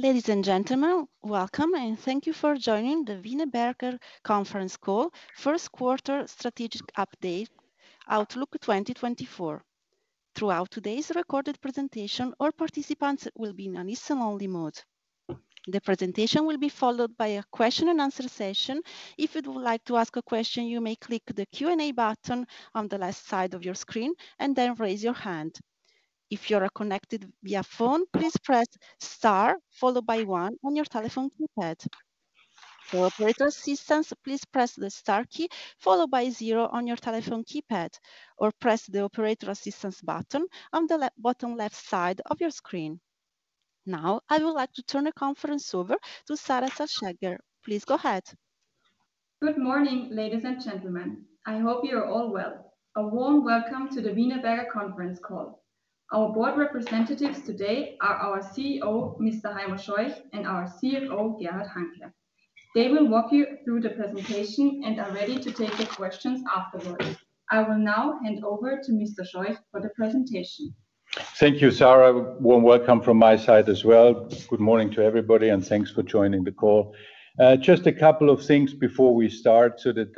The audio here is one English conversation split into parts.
Ladies and gentlemen, welcome, and thank you for joining the Wienerberger conference call, first quarter strategic update, Outlook 2024. Throughout today's recorded presentation, all participants will be in a listen-only mode. The presentation will be followed by a question and answer session. If you would like to ask a question, you may click the Q&A button on the left side of your screen and then raise your hand. If you are connected via phone, please press star followed by one on your telephone keypad. For operator assistance, please press the star key followed by zero on your telephone keypad, or press the Operator Assistance button on the bottom left side of your screen. Now, I would like to turn the conference over to Sarah Salchegger. Please go ahead. Good morning, ladies and gentlemen. I hope you are all well. A warm welcome to the Wienerberger conference call. Our board representatives today are our CEO, Mr. Heimo Scheuch, and our CFO, Gerhard Hanke. They will walk you through the presentation and are ready to take your questions afterwards. I will now hand over to Mr. Scheuch for the presentation. Thank you, Sarah. Warm welcome from my side as well. Good morning to everybody, and thanks for joining the call. Just a couple of things before we start so that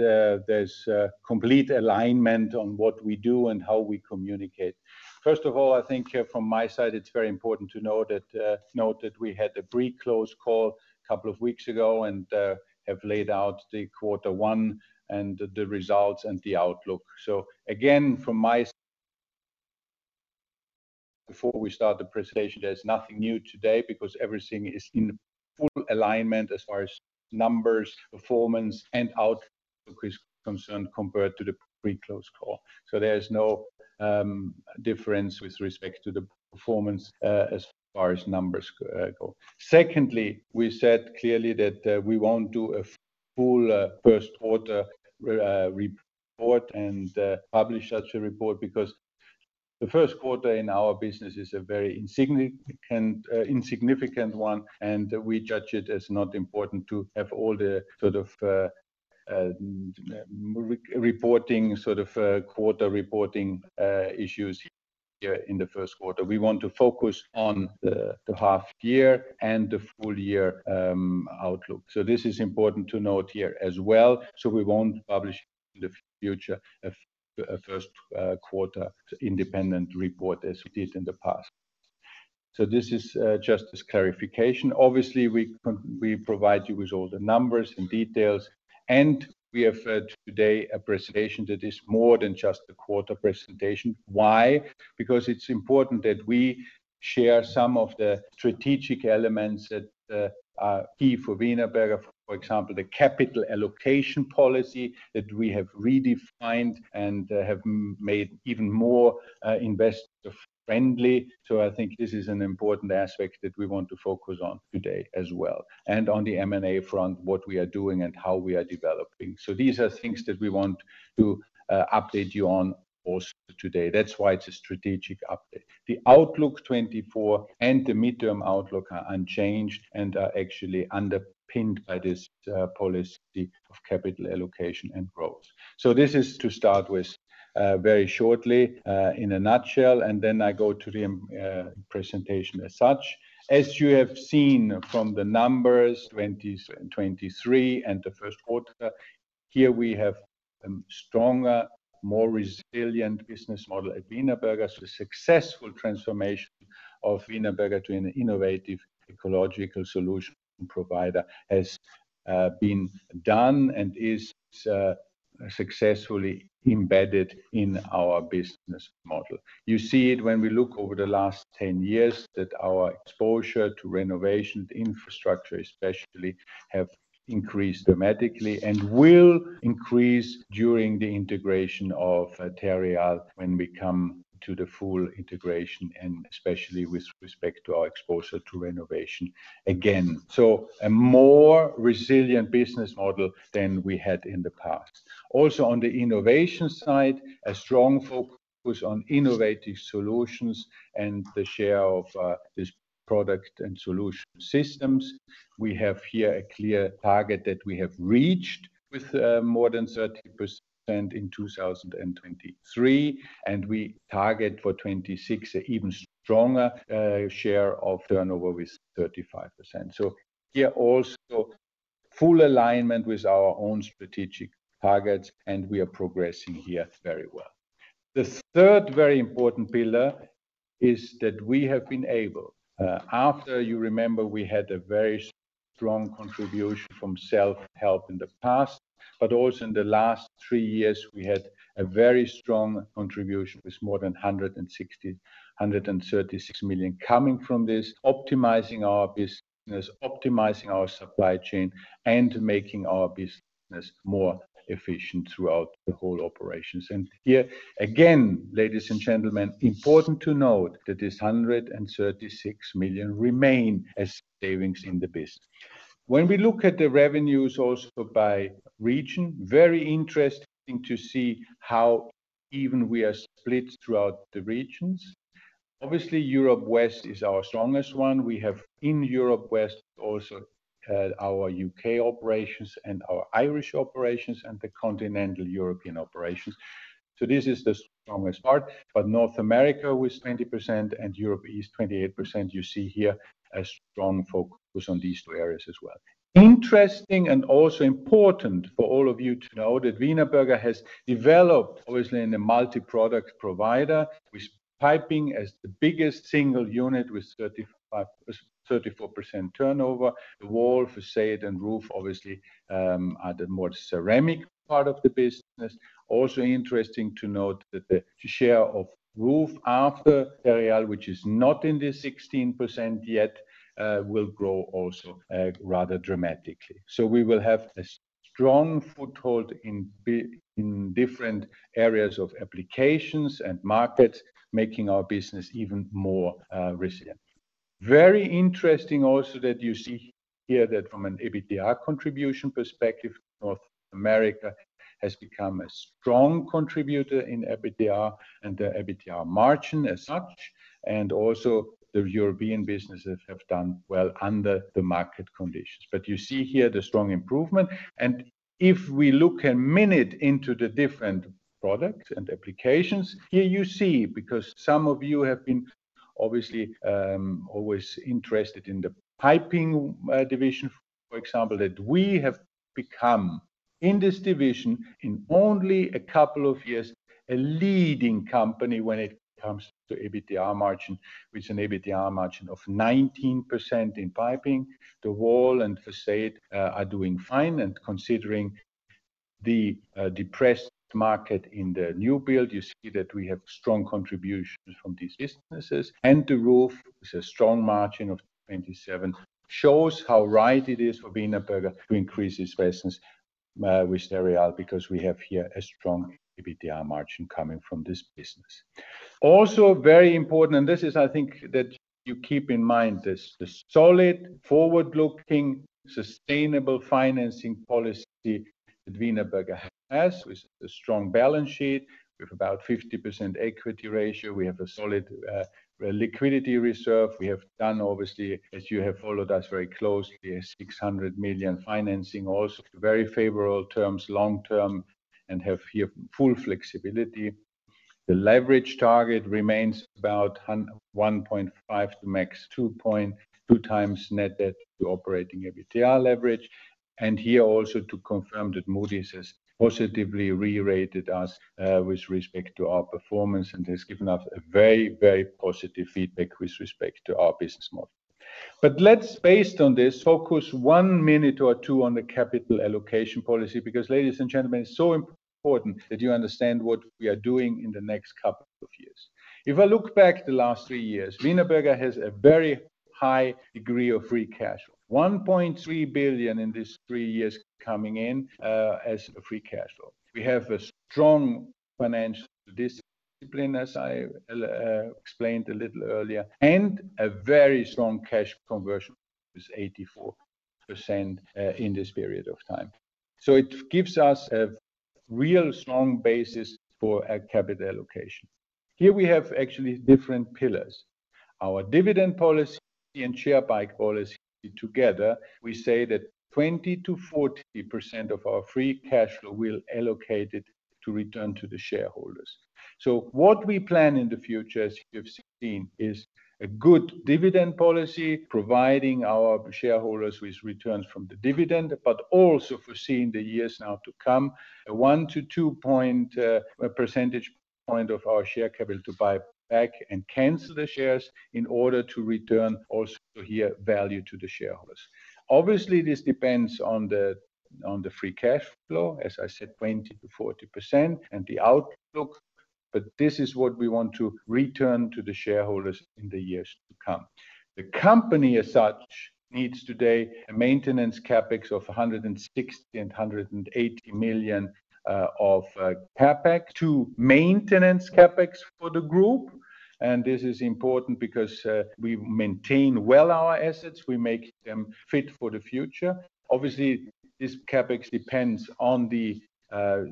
there's complete alignment on what we do and how we communicate. First of all, I think from my side, it's very important to note that we had a pre-close call a couple of weeks ago and have laid out the quarter one and the results and the outlook. So again, before we start the presentation, there's nothing new today because everything is in full alignment as far as numbers, performance, and outlook is concerned compared to the pre-close call. So there is no difference with respect to the performance as far as numbers go. Secondly, we said clearly that we won't do a full first quarter report and publish such a report because the first quarter in our business is a very insignificant one, and we judge it as not important to have all the sort of quarter reporting issues here in the first quarter. We want to focus on the half year and the full year outlook. So this is important to note here as well. So we won't publish in the future a first quarter independent report as we did in the past. So this is just as clarification. Obviously, we provide you with all the numbers and details, and we have today a presentation that is more than just a quarter presentation. Why? Because it's important that we share some of the strategic elements that are key for Wienerberger, for example, the capital allocation policy that we have redefined and have made even more investor friendly. So I think this is an important aspect that we want to focus on today as well, and on the M&A front, what we are doing and how we are developing. So these are things that we want to update you on also today. That's why it's a strategic update. The Outlook 2024 and the midterm outlook are unchanged and are actually underpinned by this policy of capital allocation and growth. So this is to start with very shortly in a nutshell, and then I go to the presentation as such. As you have seen from the numbers, 2023 and the first quarter, here we have a stronger, more resilient business model at Wienerberger. So the successful transformation of Wienerberger to an innovative ecological solution provider has been done and is successfully embedded in our business model. You see it when we look over the last 10 years, that our exposure to renovation, to infrastructure, especially, have increased dramatically and will increase during the integration of Terreal when we come to the full integration, and especially with respect to our exposure to renovation. Again, so a more resilient business model than we had in the past. Also, on the innovation side, a strong focus on innovative solutions and the share of this product and solution systems. We have here a clear target that we have reached with more than 30% in 2023, and we target for 2026 an even stronger share of turnover with 35%. So here, also full alignment with our own strategic targets, and we are progressing here very well. The third very important pillar is that we have been able, after you remember, we had a very strong contribution from self-help in the past, but also in the last three years, we had a very strong contribution with more than 160, 136 million coming from this, optimizing our business, optimizing our supply chain, and making our business more efficient throughout the whole operations. And here again, ladies and gentlemen, important to note that this 136 million remain as savings in the business. When we look at the revenues also by region, very interesting to see even we are split throughout the regions. Obviously, Europe West is our strongest one. We have in Europe West also, our U.K. operations and our Irish operations, and the continental European operations. So this is the strongest part, but North America with 20% and Europe East, 28%, you see here a strong focus on these two areas as well. Interesting and also important for all of you to know that Wienerberger has developed, obviously, in a multi-product provider, with piping as the biggest single unit, with 35-34% turnover. The wall, façade and roof, obviously, are the more ceramic part of the business. Also interesting to note that the share of roof after Terreal, which is not in the 16% yet, will grow also, rather dramatically. So we will have a strong foothold in different areas of applications and markets, making our business even more resilient. Very interesting also, that you see here that from an EBITDA contribution perspective, North America has become a strong contributor in EBITDA and the EBITDA margin as such, and also the European businesses have done well under the market conditions. But you see here the strong improvement. If we look a minute into the different products and applications, here you see, because some of you have been obviously always interested in the piping division, for example, that we have become, in this division, in only a couple of years, a leading company when it comes to EBITDA margin, with an EBITDA margin of 19% in piping. The wall and facade are doing fine, and considering the depressed market in the new build, you see that we have strong contributions from these businesses. And the roof is a strong margin of 27%. Shows how right it is for Wienerberger to increase its presence with Terreal, because we have here a strong EBITDA margin coming from this business. Also very important, and this is, I think, that you keep in mind, this, this solid, forward-looking, sustainable financing policy that Wienerberger has, with a strong balance sheet. We have about 50% equity ratio. We have a solid liquidity reserve. We have done, obviously, as you have followed us very closely, a 600 million financing, also very favorable terms, long term, and have here full flexibility. The leverage target remains about 1.5 to max 2.2 times net debt to operating EBITDA leverage. Here also to confirm that Moody's has positively rerated us with respect to our performance, and has given us a very, very positive feedback with respect to our business model. Let's, based on this, focus one minute or two on the capital allocation policy, because, ladies and gentlemen, it's so important that you understand what we are doing in the next couple of years. If I look back the last three years, Wienerberger has a very high degree of free cash flow. 1.3 billion in these three years coming in as free cash flow. We have a strong financial discipline, as I explained a little earlier, and a very strong cash conversion, with 84% in this period of time. So it gives us a real strong basis for a capital allocation. Here we have actually different pillars. Our dividend policy and share buyback policy together, we say that 20%-40% of our free cash flow we'll allocate it to return to the shareholders. So what we plan in the future, as you have seen, is a good dividend policy, providing our shareholders with returns from the dividend, but also foreseeing the years now to come, a 1-2 percentage point of our share capital to buy back and cancel the shares in order to return also here, value to the shareholders. Obviously, this depends on the, on the free cash flow, as I said, 20%-40% and the outlook, but this is what we want to return to the shareholders in the years to come. The company, as such, needs today a maintenance CapEx of 160 million-180 million for the group. This is important because we maintain well our assets. We make them fit for the future. Obviously, this CapEx depends on the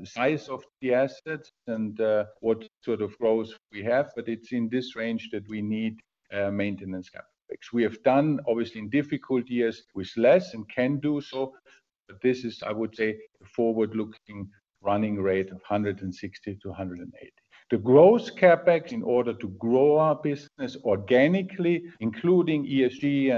size of the assets and what sort of growth we have, but it's in this range that we need a maintenance CapEx. We have done, obviously, in difficult years with less and can do so, but this is, I would say, the forward-looking running rate of 160-180. The growth CapEx, in order to grow our business organically, including ESG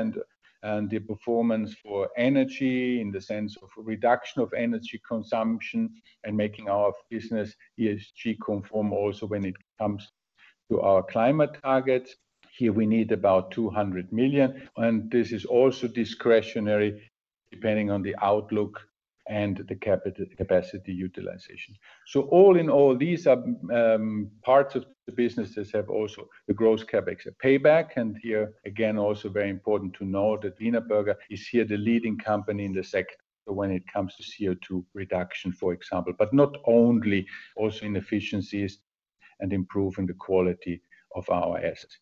and the performance for energy in the sense of reduction of energy consumption and making our business ESG conform also when it comes to our climate targets. Here, we need about 200 million, and this is also discretionary, depending on the outlook and the capacity utilization. So all in all, these are parts of the businesses have also the growth CapEx, a payback, and here, again, also very important to note that Wienerberger is here the leading company in the sector when it comes to CO2 reduction, for example, but not only also in efficiencies and improving the quality of our assets....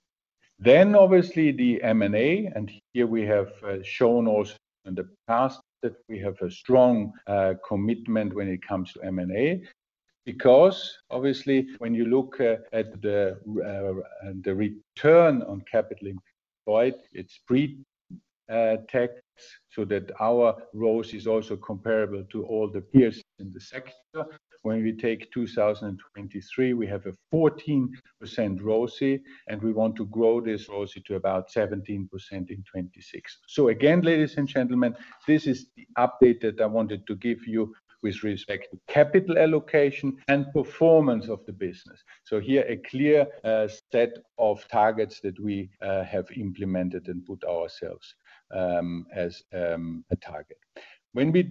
Then obviously the M&A, and here we have shown also in the past that we have a strong commitment when it comes to M&A. Because obviously, when you look at the return on capital employed, it's pre-tax, so that our ROCE is also comparable to all the peers in the sector. When we take 2023, we have a 14% ROCE, and we want to grow this ROCE to about 17% in 2026. So again, ladies and gentlemen, this is the update that I wanted to give you with respect to capital allocation and performance of the business. So here, a clear set of targets that we have implemented and put ourselves as a target. When we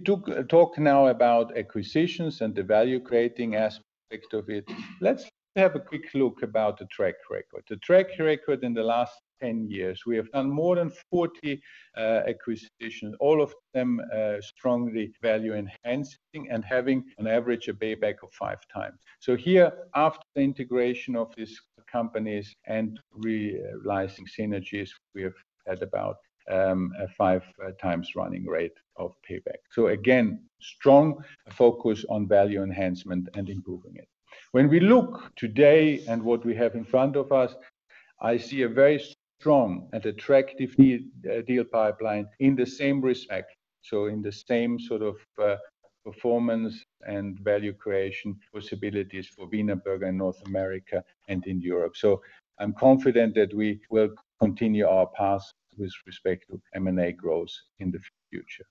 talk now about acquisitions and the value-creating aspect of it, let's have a quick look about the track record. The track record in the last 10 years, we have done more than 40 acquisitions, all of them strongly value-enhancing and having on average a payback of 5x. So here, after the integration of these companies and realizing synergies, we have had about a 5x running rate of payback. So again, strong focus on value enhancement and improving it. When we look today and what we have in front of us, I see a very strong and attractive deal pipeline in the same respect, so in the same sort of, performance and value creation possibilities for Wienerberger in North America and in Europe. So I'm confident that we will continue our path with respect to M&A growth in the future.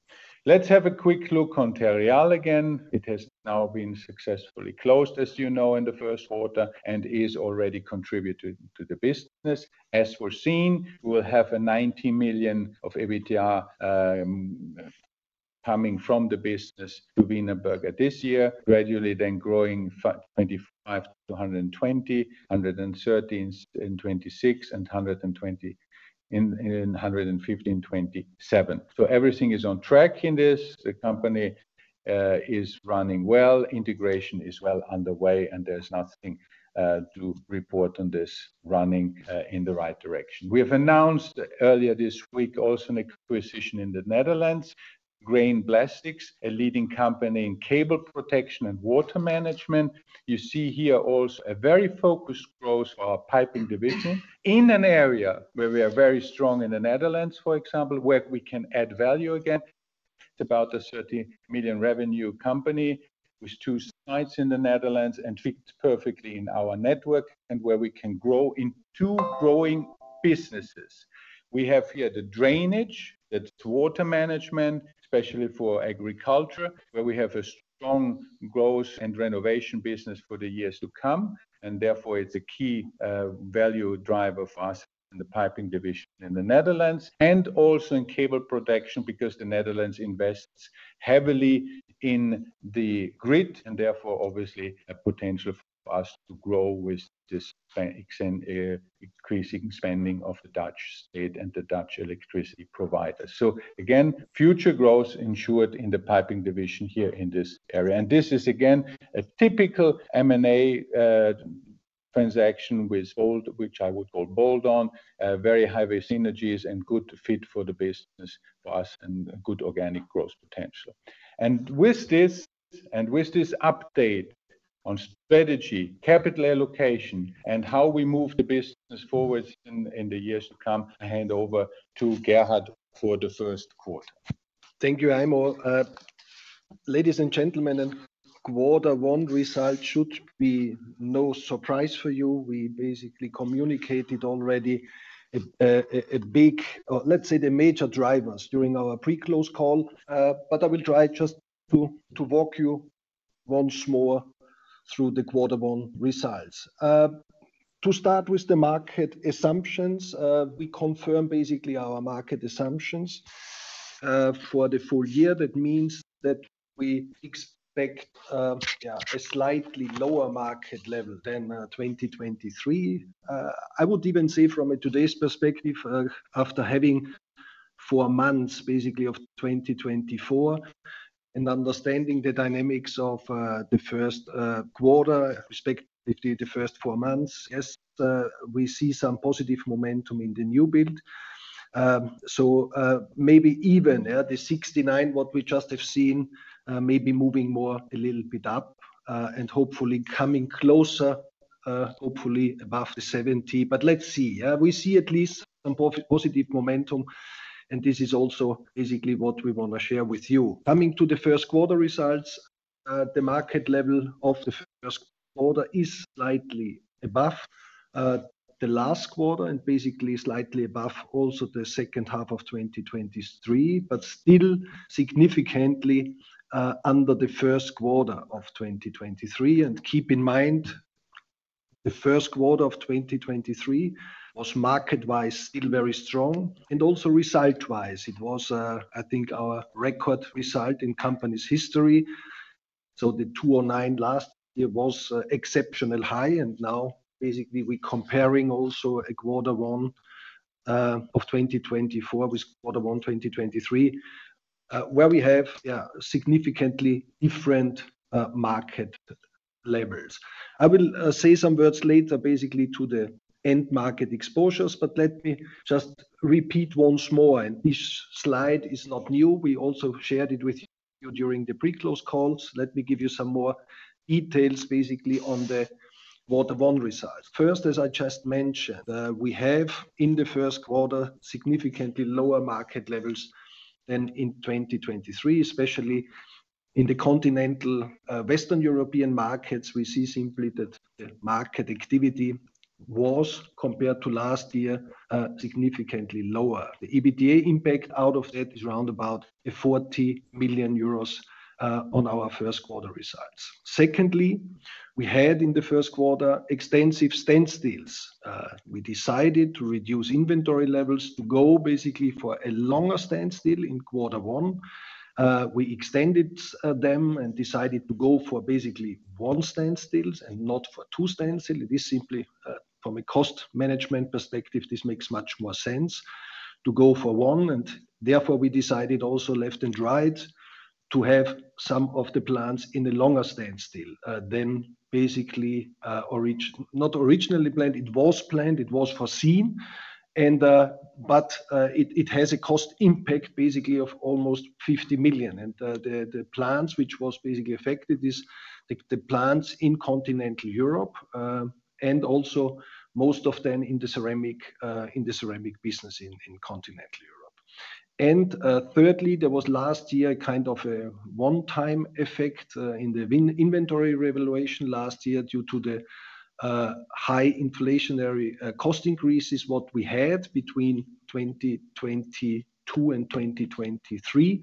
Let's have a quick look on Terreal again. It has now been successfully closed, as you know, in the first quarter, and is already contributing to the business. As foreseen, we'll have 90 million of EBITDA coming from the business to Wienerberger this year, gradually then growing 25 to 120, 113 in 2026, and 115 in 2027. So everything is on track in this. The company is running well, integration is well underway, and there's nothing to report on this, running in the right direction. We have announced earlier this week also an acquisition in the Netherlands, GrainPlastics, a leading company in cable protection and water management. You see here also a very focused growth for our piping division in an area where we are very strong in the Netherlands, for example, where we can add value again. It's about a 13 million revenue company with two sites in the Netherlands and fits perfectly in our network, and where we can grow in two growing businesses. We have here the drainage, that's water management, especially for agriculture, where we have a strong growth and renovation business for the years to come, and therefore, it's a key value driver for us in the piping division in the Netherlands, and also in cable protection, because the Netherlands invests heavily in the grid, and therefore, obviously, a potential for us to grow with this expansion, increasing spending of the Dutch state and the Dutch electricity provider. So again, future growth ensured in the piping division here in this area. And this is again, a typical M&A transaction with bolt-on, which I would call bolt-on, very high synergies and good fit for the business for us and good organic growth potential. And with this update on strategy, capital allocation, and how we move the business forward in the years to come, I hand over to Gerhard for the first quarter. Thank you, Heimo. Ladies and gentlemen, quarter one result should be no surprise for you. We basically communicated already a big, or let's say, the major drivers during our pre-close call. But I will try just to walk you once more through the quarter one results. To start with the market assumptions, we confirm basically our market assumptions for the full year. That means that we expect a slightly lower market level than 2023. I would even say from a today's perspective, after having four months, basically of 2024, and understanding the dynamics of the first quarter, respectively, the first four months, yes, we see some positive momentum in the new build. So, maybe even the 69, what we just have seen, maybe moving more a little bit up, and hopefully coming closer, hopefully above the 70. But let's see, we see at least some positive momentum, and this is also basically what we want to share with you. Coming to the first quarter results, the market level of the first quarter is slightly above the last quarter and basically slightly above also the second half of 2023, but still significantly under the first quarter of 2023. And keep in mind, the first quarter of 2023 was market-wise, still very strong and also result-wise. It was, I think, our record result in the company's history. So the 20.9 last year was exceptionally high, and now basically we comparing also a quarter one-... of 2024 with quarter one 2023, where we have, yeah, significantly different market levels. I will say some words later, basically, to the end market exposures, but let me just repeat once more, and this slide is not new. We also shared it with you during the pre-close calls. Let me give you some more details, basically, on the quarter one results. First, as I just mentioned, we have, in the first quarter, significantly lower market levels than in 2023, especially in the continental Western European markets. We see simply that the market activity was, compared to last year, significantly lower. The EBITDA impact out of that is around about 40 million euros on our first quarter results. Secondly, we had, in the first quarter, extensive standstills. We decided to reduce inventory levels to go basically for a longer standstill in quarter one. We extended them and decided to go for basically one standstill and not for two standstill. This simply, from a cost management perspective, this makes much more sense to go for one, and therefore, we decided also left and right to have some of the plants in a longer standstill than basically not originally planned. It was planned, it was foreseen. But it has a cost impact, basically, of almost 50 million. The plants which was basically affected is the plants in continental Europe and also most of them in the ceramic business in continental Europe. Thirdly, there was last year kind of a one-time effect in the inventory revaluation last year due to the high inflationary cost increases what we had between 2022 and 2023.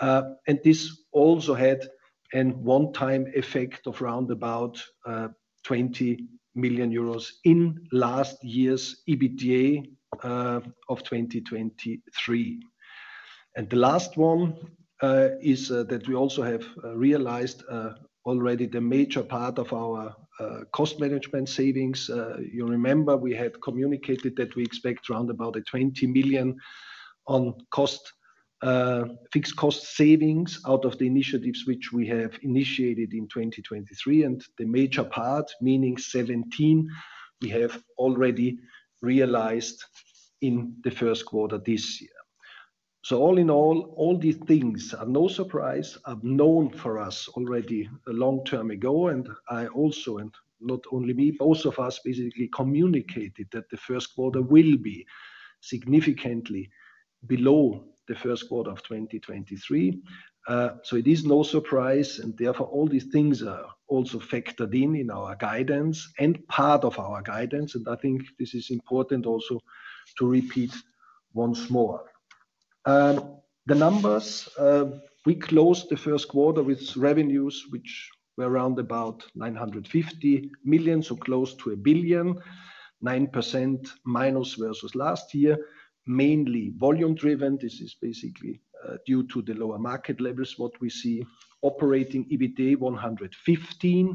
And this also had a one-time effect of around about 20 million euros in last year's EBITDA of 2023. And the last one is that we also have realized already the major part of our cost management savings. You remember we had communicated that we expect around about 20 million on cost fixed cost savings out of the initiatives which we have initiated in 2023, and the major part, meaning 17, we have already realized in the first quarter this year. So all in all, all these things are no surprise, are known for us already a long time ago. And I also, and not only me, most of us basically communicated that the first quarter will be significantly below the first quarter of 2023. So it is no surprise, and therefore, all these things are also factored in, in our guidance and part of our guidance, and I think this is important also to repeat once more. The numbers, we closed the first quarter with revenues, which were around about 950 million, so close to 1 billion. -9% versus last year, mainly volume-driven. This is basically due to the lower market levels, what we see. Operating EBITDA 115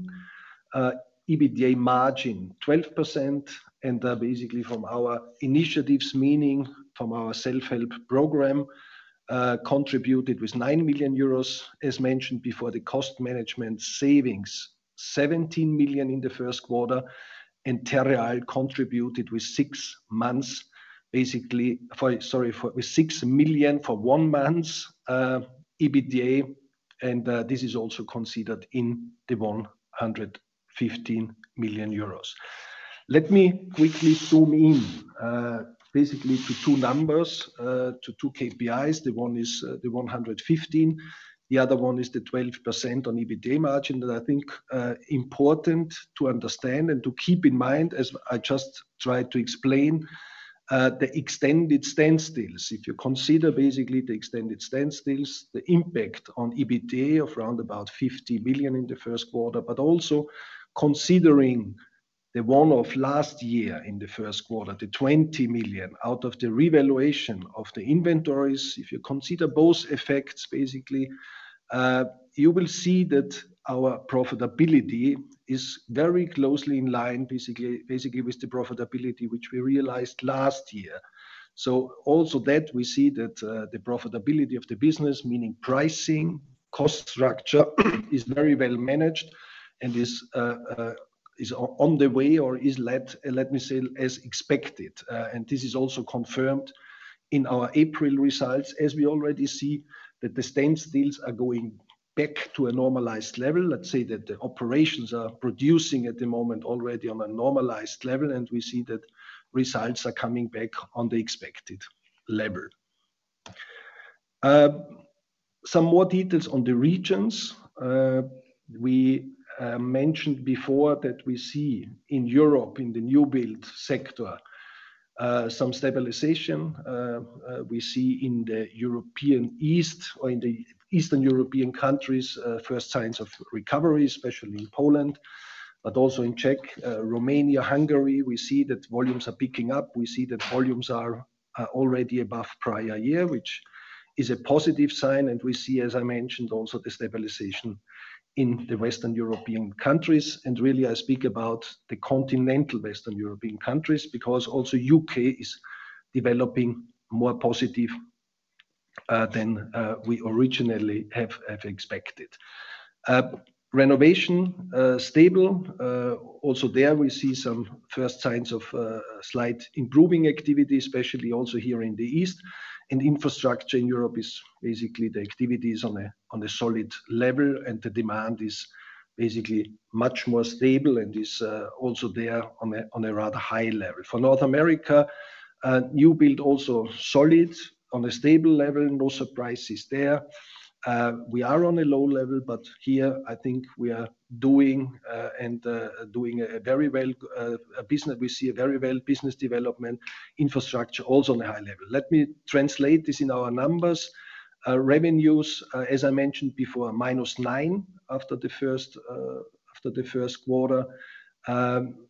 million. EBITDA margin, 12%, and basically from our initiatives, meaning from our self-help program, contributed with 9 million euros. As mentioned before, the cost management savings, 17 million in the first quarter, and Terreal contributed with six months, basically with 6 million for one month's EBITDA, and this is also considered in the 115 million euros. Let me quickly zoom in, basically to two numbers, to two KPIs. The one is the 115, the other one is the 12% on EBITDA margin, that I think important to understand and to keep in mind, as I just tried to explain, the extended standstills. If you consider basically the extended standstills, the impact on EBITDA of around about 50 million in the first quarter, but also considering the one-off last year in the first quarter, the 20 million out of the revaluation of the inventories. If you consider both effects, basically, you will see that our profitability is very closely in line, basically, basically with the profitability which we realized last year. So also that we see that, the profitability of the business, meaning pricing, cost structure, is very well managed and is, is on the way or is led, let me say, as expected. And this is also confirmed in our April results, as we already see that the standstills are going back to a normalized level. Let's say that the operations are producing at the moment already on a normalized level, and we see that results are coming back on the expected level. Some more details on the regions. We mentioned before that we see in Europe, in the new build sector, some stabilization. We see in the European East or in the Eastern European countries, first signs of recovery, especially in Poland, but also in Czech, Romania, Hungary, we see that volumes are picking up. We see that volumes are already above prior year, which is a positive sign. And we see, as I mentioned, also the stabilization in the Western European countries. And really, I speak about the continental Western European countries, because also U.K. is developing more positive than we originally have expected. Renovation stable. Also there we see some first signs of a slight improving activity, especially also here in the East. Infrastructure in Europe is basically the activity is on a solid level, and the demand is basically much more stable and is also there on a rather high level. For North America, new build also solid, on a stable level, no surprises there. We are on a low level, but here I think we are doing and doing a very well business. We see a very well business development, infrastructure also on a high level. Let me translate this in our numbers. Revenues, as I mentioned before, -9% after the first quarter.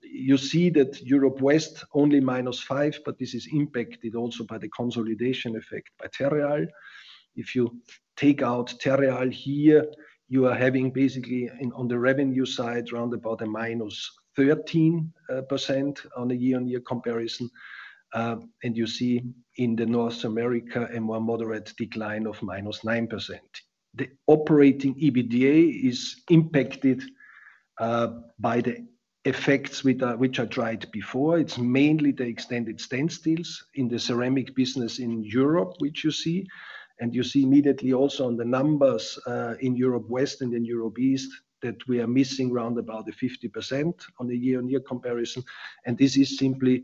You see that Europe West, only -5%, but this is impacted also by the consolidation effect by Terreal. If you take out Terreal here, you are having basically, on the revenue side, around a -13% on a year-on-year comparison. And you see in North America, a more moderate decline of -9%. The Operating EBITDA is impacted by the effects which I tried before. It's mainly the extended standstills in the ceramic business in Europe, which you see, and you see immediately also on the numbers in Europe West and in Europe East, that we are missing around 50% on a year-on-year comparison, and this is simply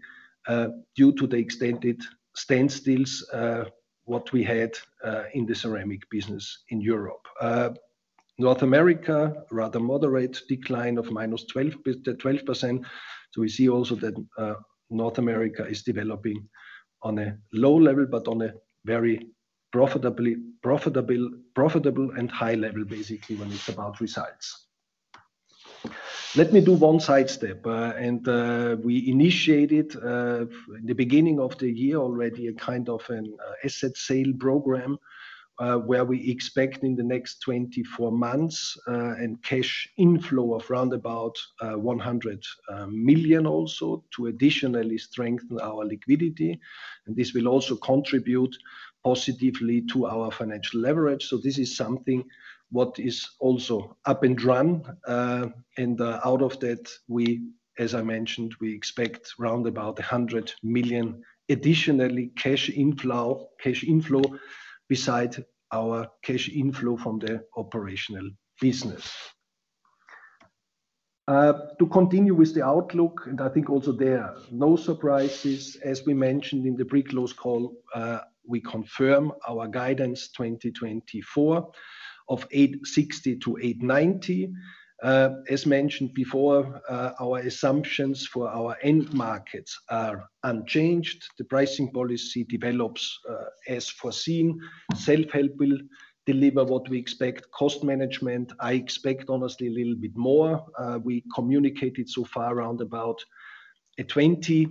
due to the extended standstills what we had in the ceramic business in Europe. North America, rather moderate decline of -12%. So we see also that North America is developing on a low level, but on a very profitable and high level, basically, when it's about results. Let me do one sidestep. And we initiated in the beginning of the year already a kind of an asset sale program where we expect in the next 24 months and cash inflow of round about 100 million also to additionally strengthen our liquidity, and this will also contribute positively to our financial leverage. So this is something what is also up and run. And out of that, as I mentioned, we expect round about 100 million additionally cash inflow beside our cash inflow from the operational business. To continue with the outlook, and I think also there, no surprises. As we mentioned in the pre-close call, we confirm our 2024 guidance of 860 million-890 million. As mentioned before, our assumptions for our end markets are unchanged. The pricing policy develops, as foreseen. Self-help will deliver what we expect. Cost management, I expect honestly, a little bit more. We communicated so far around about 20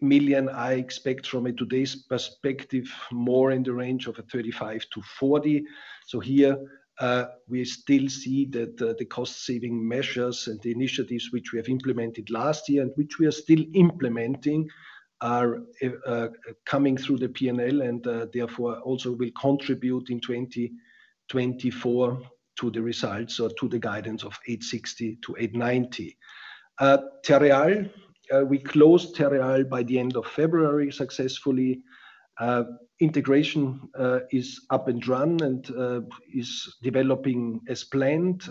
million. I expect from today's perspective, more in the range of 35 million-40 million. So here, we still see that, the cost-saving measures and the initiatives which we have implemented last year, and which we are still implementing, are, coming through the P&L, and, therefore, also will contribute in 2024 to the results or to the guidance of 860 million-890 million. Terreal, we closed Terreal by the end of February successfully. Integration is up and running, and is developing as planned.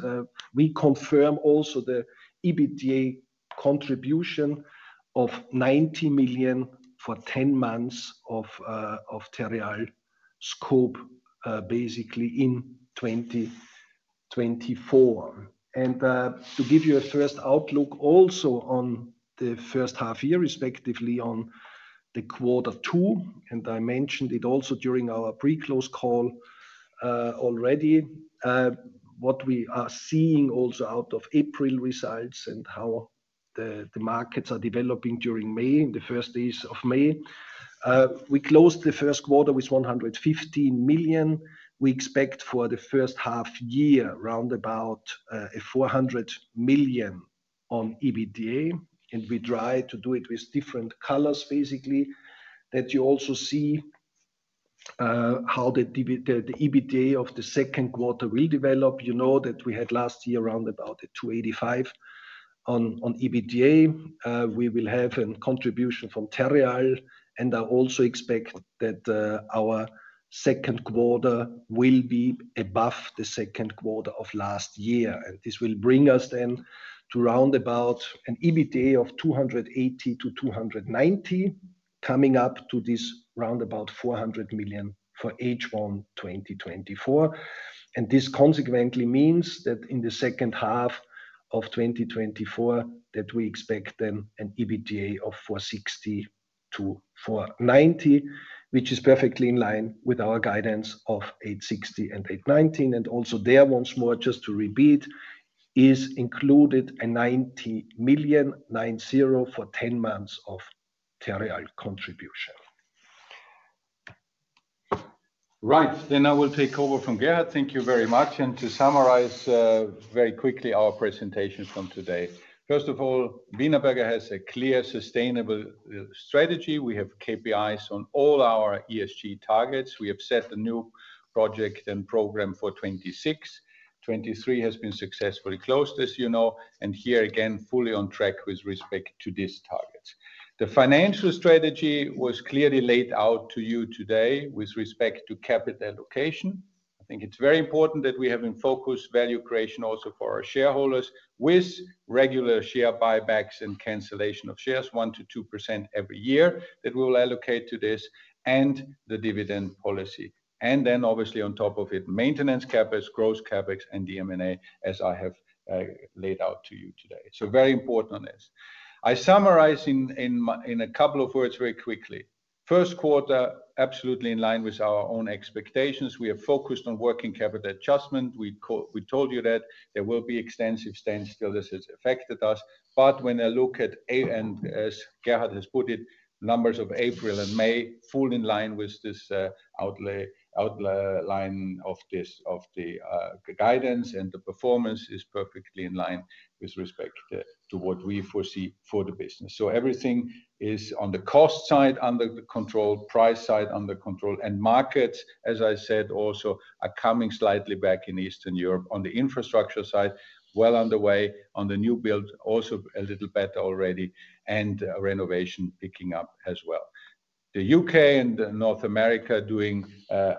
We confirm also the EBITDA contribution of 90 million for ten months of Terreal scope, basically in 2024. To give you a first outlook also on the first half year, respectively, on quarter two, and I mentioned it also during our pre-close call, already. What we are seeing also out of April results and how the markets are developing during May, in the first days of May. We closed the first quarter with 115 million. We expect for the first half year, round about, 400 million on EBITDA, and we try to do it with different colors, basically. That you also see how the EBITDA of the second quarter will develop. You know that we had last year, around about 285 million on EBITDA. We will have a contribution from Terreal, and I also expect that our second quarter will be above the second quarter of last year. And this will bring us then to round about an EBITDA of 280 million-290 million, coming up to this round about 400 million for H1 2024. And this consequently means that in the second half of 2024, that we expect then an EBITDA of 460 million-490 million, which is perfectly in line with our guidance of 860 million-890 million. And also there, once more, just to repeat- ... is included a 90 million, 90, for ten months of Terreal contribution. Right, then I will take over from Gerhard. Thank you very much. And to summarize, very quickly our presentations from today. First of all, Wienerberger has a clear, sustainable, strategy. We have KPIs on all our ESG targets. We have set a new project and program for 2026. 2023 has been successfully closed, as you know, and here again, fully on track with respect to this target. The financial strategy was clearly laid out to you today with respect to capital allocation. I think it's very important that we have in focus value creation also for our shareholders, with regular share buybacks and cancellation of shares, 1%-2% every year, that we will allocate to this and the dividend policy. And then, obviously, on top of it, maintenance CapEx, gross CapEx, and DM&A, as I have, laid out to you today. So very important on this. I summarize in a couple of words very quickly. First quarter, absolutely in line with our own expectations. We are focused on working capital adjustment. We told you that there will be extensive standstill. This has affected us. But when I look at it, and as Gerhard has put it, numbers of April and May fall in line with this outlook line of this of the guidance, and the performance is perfectly in line with respect to what we foresee for the business. So everything is on the cost side, under control, price side, under control, and markets, as I said, also are coming slightly back in Eastern Europe on the infrastructure side, well underway. On the new build, also a little better already, and renovation picking up as well. The U.K. and North America are doing,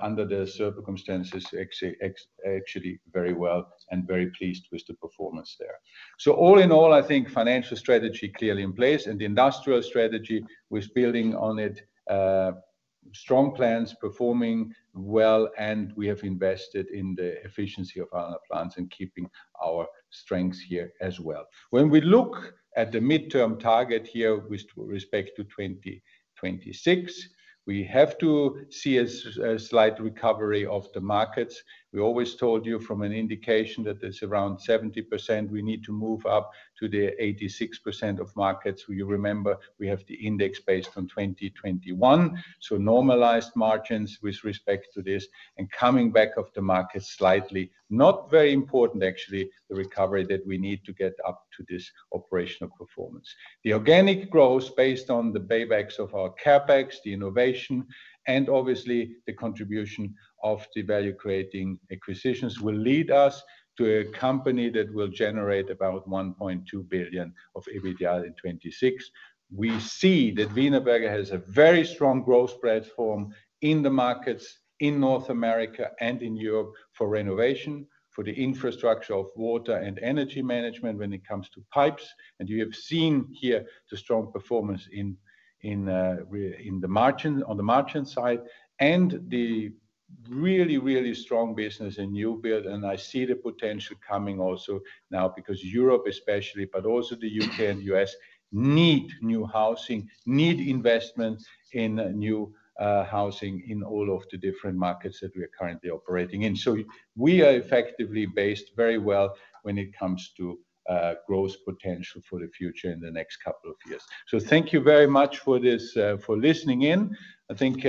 under the circumstances, actually very well and very pleased with the performance there. So all in all, I think financial strategy clearly in place and the industrial strategy with building on it, strong plans, performing well, and we have invested in the efficiency of our plants and keeping our strengths here as well. When we look at the midterm target here with respect to 2026, we have to see a slight recovery of the markets. We always told you from an indication that it's around 70%, we need to move up to the 86% of markets. You remember, we have the index based on 2021, so normalized margins with respect to this and coming back of the market slightly. Not very important, actually, the recovery that we need to get up to this operational performance. The organic growth based on the paybacks of our CapEx, the innovation, and obviously the contribution of the value-creating acquisitions, will lead us to a company that will generate about 1.2 billion of EBITDA in 2026. We see that Wienerberger has a very strong growth platform in the markets in North America and in Europe for renovation, for the infrastructure of water and energy management when it comes to pipes. And you have seen here the strong performance in the margin, on the margin side, and the really, really strong business in new build. I see the potential coming also now because Europe especially, but also the U.K. and U.S., need new housing, need investment in new housing in all of the different markets that we are currently operating in. We are effectively based very well when it comes to growth potential for the future in the next couple of years. Thank you very much for this for listening in. I think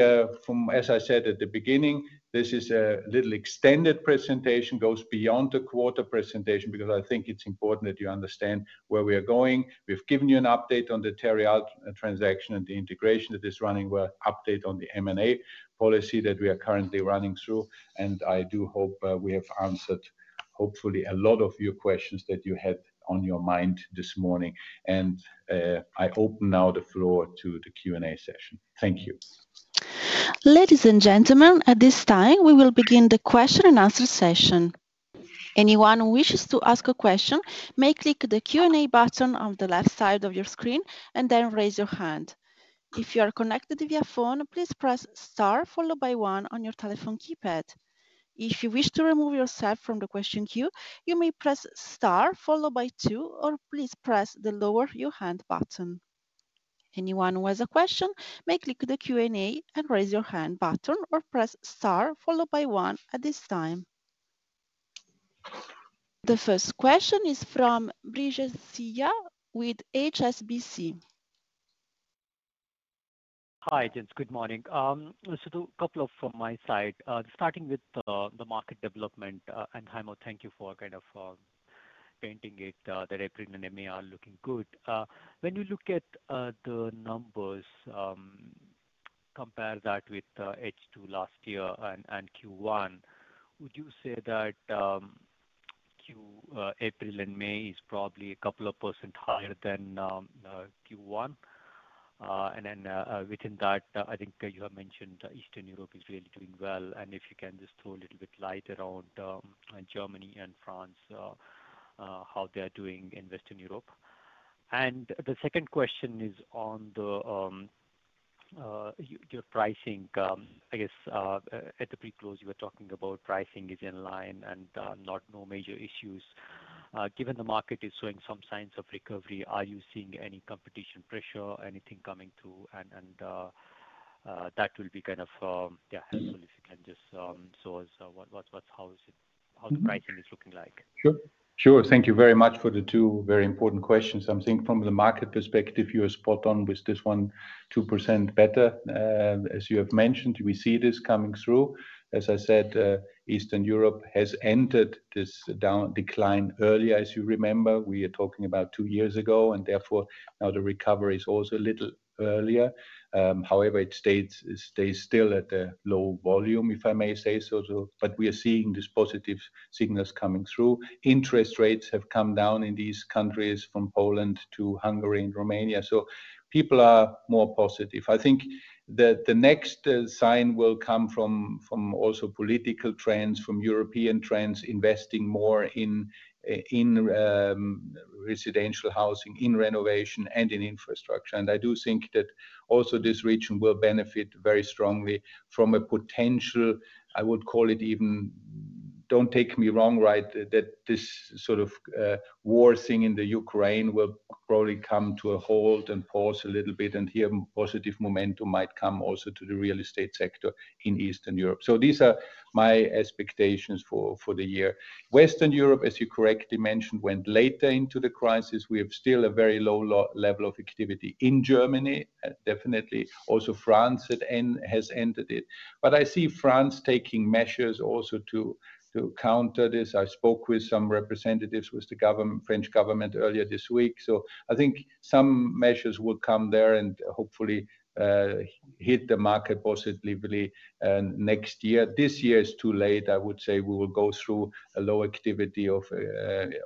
from as I said at the beginning, this is a little extended presentation, goes beyond the quarter presentation because I think it's important that you understand where we are going. We've given you an update on the Terreal transaction and the integration that is running well, update on the M&A policy that we are currently running through. I do hope we have answered, hopefully, a lot of your questions that you had on your mind this morning. I open now the floor to the Q&A session. Thank you. Ladies and gentlemen, at this time, we will begin the question and answer session. Anyone who wishes to ask a question may click the Q&A button on the left side of your screen and then raise your hand. If you are connected via phone, please press star followed by one on your telephone keypad. If you wish to remove yourself from the question queue, you may press star followed by two or please press the lower your hand button. Anyone who has a question may click the Q&A and raise your hand button or press star followed by one at this time. The first question is from Brijesh Siya with HSBC. Hi, gents. Good morning. So a couple from my side, starting with the market development. And Heimo, thank you for kind of painting it that everything in MA are looking good. When you look at the numbers, compare that with H2 last year and Q1, would you say that Q1 April and May is probably a couple of % higher than Q1? And then, within that, I think you have mentioned Eastern Europe is really doing well, and if you can just throw a little bit light around Germany and France how they are doing in Western Europe. And the second question is on your pricing. I guess, at the pre-close, you were talking about pricing is in line and no major issues. Given the market is showing some signs of recovery, are you seeing any competition pressure, anything coming through, that will be kind of, yeah, helpful if you can just show us what, what's, how is it- Mm-hmm. How the pricing is looking like? Sure. Sure. Thank you very much for the two very important questions. I think from the market perspective, you are spot on with this 1%-2% better. As you have mentioned, we see this coming through. As I said, Eastern Europe has entered this decline earlier. As you remember, we are talking about two years ago, and therefore, now the recovery is also a little earlier. However, it stays still at a low volume, if I may say so. So, but we are seeing these positive signals coming through. Interest rates have come down in these countries from Poland to Hungary and Romania, so people are more positive. I think the next sign will come from also political trends, from European trends, investing more in residential housing, in renovation, and in infrastructure. I do think that also this region will benefit very strongly from a potential, I would call it even... Don't take me wrong, right? That this sort of war thing in the Ukraine will probably come to a halt and pause a little bit, and here, positive momentum might come also to the real estate sector in Eastern Europe. So these are my expectations for the year. Western Europe, as you correctly mentioned, went later into the crisis. We have still a very low level of activity in Germany, definitely. Also, France, it has ended it. But I see France taking measures also to counter this. I spoke with some representatives, with the government, French government earlier this week. So I think some measures will come there and hopefully hit the market positively next year. This year is too late. I would say we will go through a low activity of,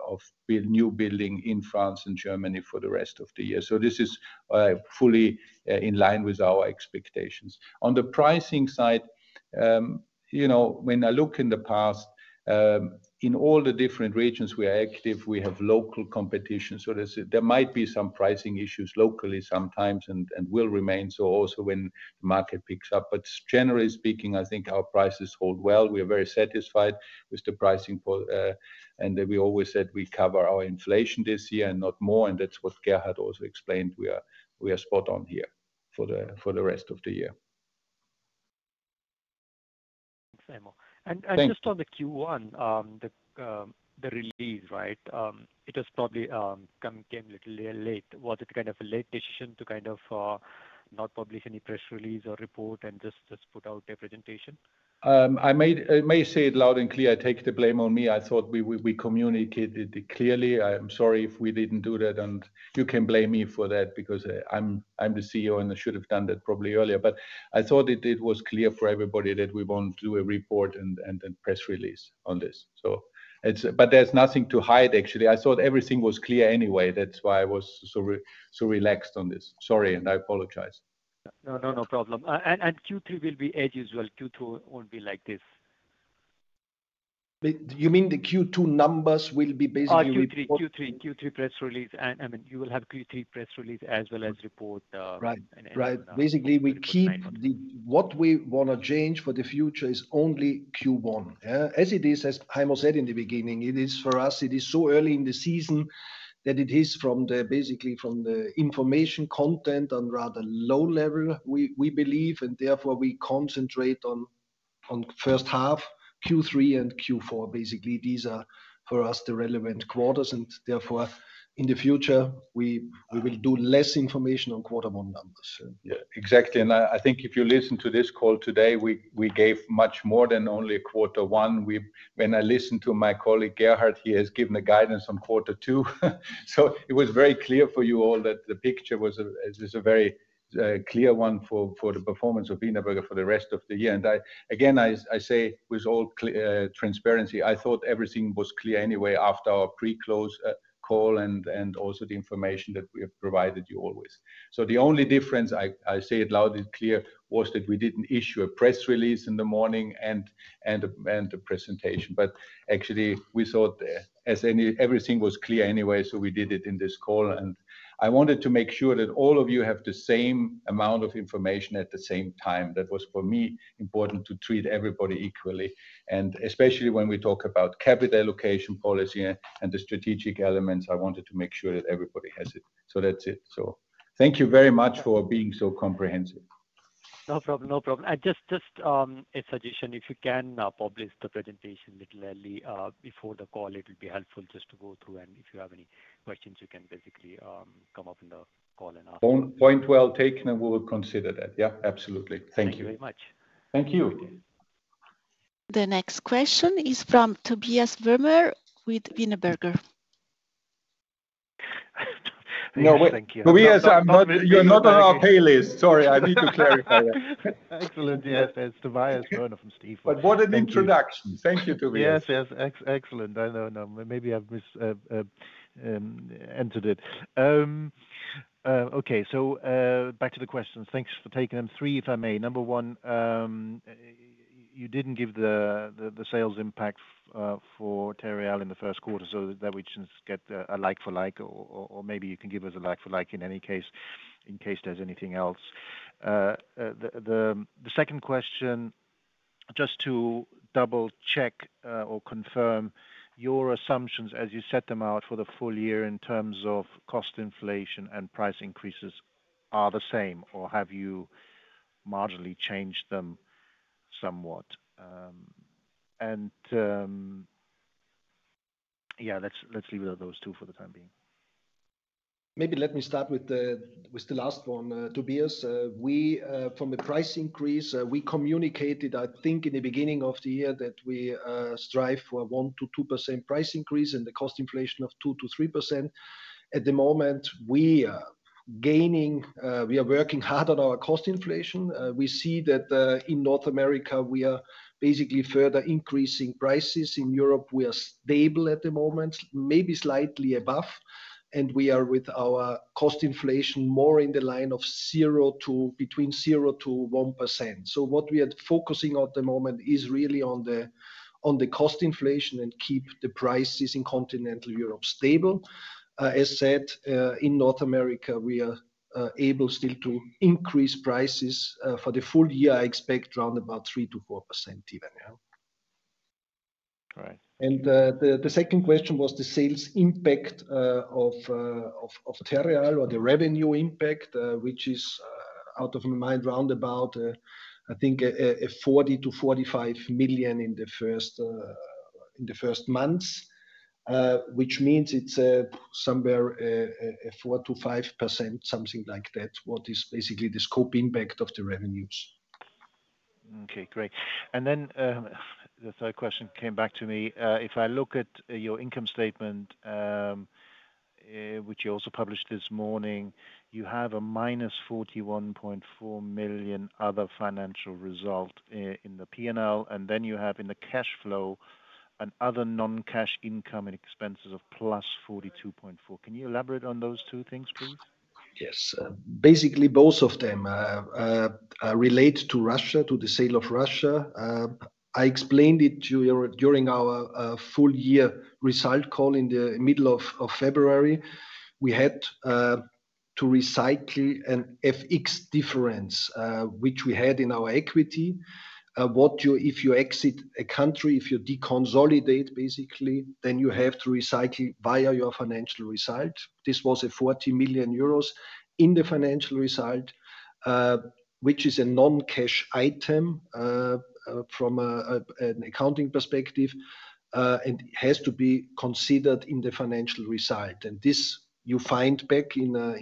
of build, new building in France and Germany for the rest of the year. So this is, fully, in line with our expectations. On the pricing side, you know, when I look in the past, in all the different regions we are active, we have local competition. So there's, there might be some pricing issues locally, sometimes, and, and will remain so also when the market picks up. But generally speaking, I think our prices hold well. We are very satisfied with the pricing for,... And we always said we cover our inflation this year and not more, and that's what Gerhard also explained. We are, we are spot on here for the, for the rest of the year. Thanks, Heimo. Thank- And just on the Q1, the release, right? It is probably came a little late. Was it kind of a late decision to kind of not publish any press release or report and just put out a presentation? I may say it loud and clear, I take the blame on me. I thought we communicated it clearly. I am sorry if we didn't do that, and you can blame me for that because I'm the CEO, and I should have done that probably earlier. But I thought it was clear for everybody that we won't do a report and press release on this. So it's, but there's nothing to hide, actually. I thought everything was clear anyway. That's why I was so relaxed on this. Sorry, and I apologize. No, no, no problem. And Q3 will be as usual. Q2 won't be like this. You mean the Q2 numbers will be basically report- Q3, Q3, Q3 press release. And, I mean, you will have Q3 press release as well as report. Right. And, uh- Right. Basically, what we wanna change for the future is only Q1? As it is, as Heimo said in the beginning, it is for us it is so early in the season that it is basically from the information content on rather low level, we believe, and therefore we concentrate on first half, Q3 and Q4. Basically, these are for us the relevant quarters, and therefore in the future we will do less information on quarter one numbers. Yeah, exactly. And I, I think if you listen to this call today, we, we gave much more than only a quarter one. When I listened to my colleague, Gerhard, he has given a guidance on quarter two. So it was very clear for you all that the picture was a, it was a very clear one for, for the performance of Wienerberger for the rest of the year. And I, again, I, I say with all clear transparency, I thought everything was clear anyway after our pre-close call and, and also the information that we have provided you always. So the only difference, I, I say it loud and clear, was that we didn't issue a press release in the morning and, and a, and a presentation. But actually, we thought, as everything was clear anyway, so we did it in this call. And I wanted to make sure that all of you have the same amount of information at the same time. That was, for me, important to treat everybody equally. And especially when we talk about capital allocation policy and, and the strategic elements, I wanted to make sure that everybody has it. So that's it. So thank you very much for being so comprehensive. No problem, no problem. I just a suggestion, if you can publish the presentation little early, before the call, it will be helpful just to go through, and if you have any questions, you can basically come up in the call and ask. Point, point well taken, and we will consider that. Yeah, absolutely. Thank you. Thank you very much. Thank you. The next question is from Tobias Woerner with Wienerberger. Yeah, thank you. Tobias, you're not on our pay list. Sorry, I need to clarify that. Excellent. Yes, it's Tobias Woerner from Stifel- What an introduction. Thank you, Tobias. Yes, yes, excellent. I know now. Maybe I've entered it. Okay, so back to the questions. Thanks for taking them. Three, if I may. Number one, you didn't give the sales impact for Terreal in the first quarter, so that we just get a like for like, or maybe you can give us a like for like in any case, in case there's anything else. The second question: Just to double-check or confirm your assumptions as you set them out for the full year in terms of cost inflation and price increases are the same, or have you marginally changed them somewhat? And yeah, let's leave it at those two for the time being. Maybe let me start with the, with the last one, Tobias. We, from the price increase, we communicated, I think in the beginning of the year, that we strive for a 1%-2% price increase and the 2%-3% cost inflation. At the moment, we are working hard on our cost inflation. We see that in North America, we are basically further increasing prices. In Europe, we are stable at the moment, maybe slightly above, and we are with our cost inflation more in the line of 0%-1%. So what we are focusing at the moment is really on the cost inflation and keep the prices in continental Europe stable. As said, in North America, we are able still to increase prices. For the full year, I expect around about 3%-4% even, yeah. All right. The second question was the sales impact of Terreal, or the revenue impact, which is out of my mind, roundabout, I think, 40 million-45 million in the first months. Which means it's somewhere, 4%-5%, something like that, what is basically the scope impact of the revenues. Okay, great. And then, the third question came back to me. If I look at your income statement, which you also published this morning, you have a -41.4 million other financial result in the P&L, and then you have in the cash flow, another non-cash income and expenses of +42.4 million. Can you elaborate on those two things, please? Yes. Basically, both of them relate to Russia, to the sale of Russia. I explained it to you during our full year result call in the middle of February. We had to recycle an FX difference, which we had in our equity. If you exit a country, if you deconsolidate, basically, then you have to recycle via your financial result. This was 40 million euros in the financial result, which is a non-cash item from an accounting perspective, and has to be considered in the financial result. And this you find back in the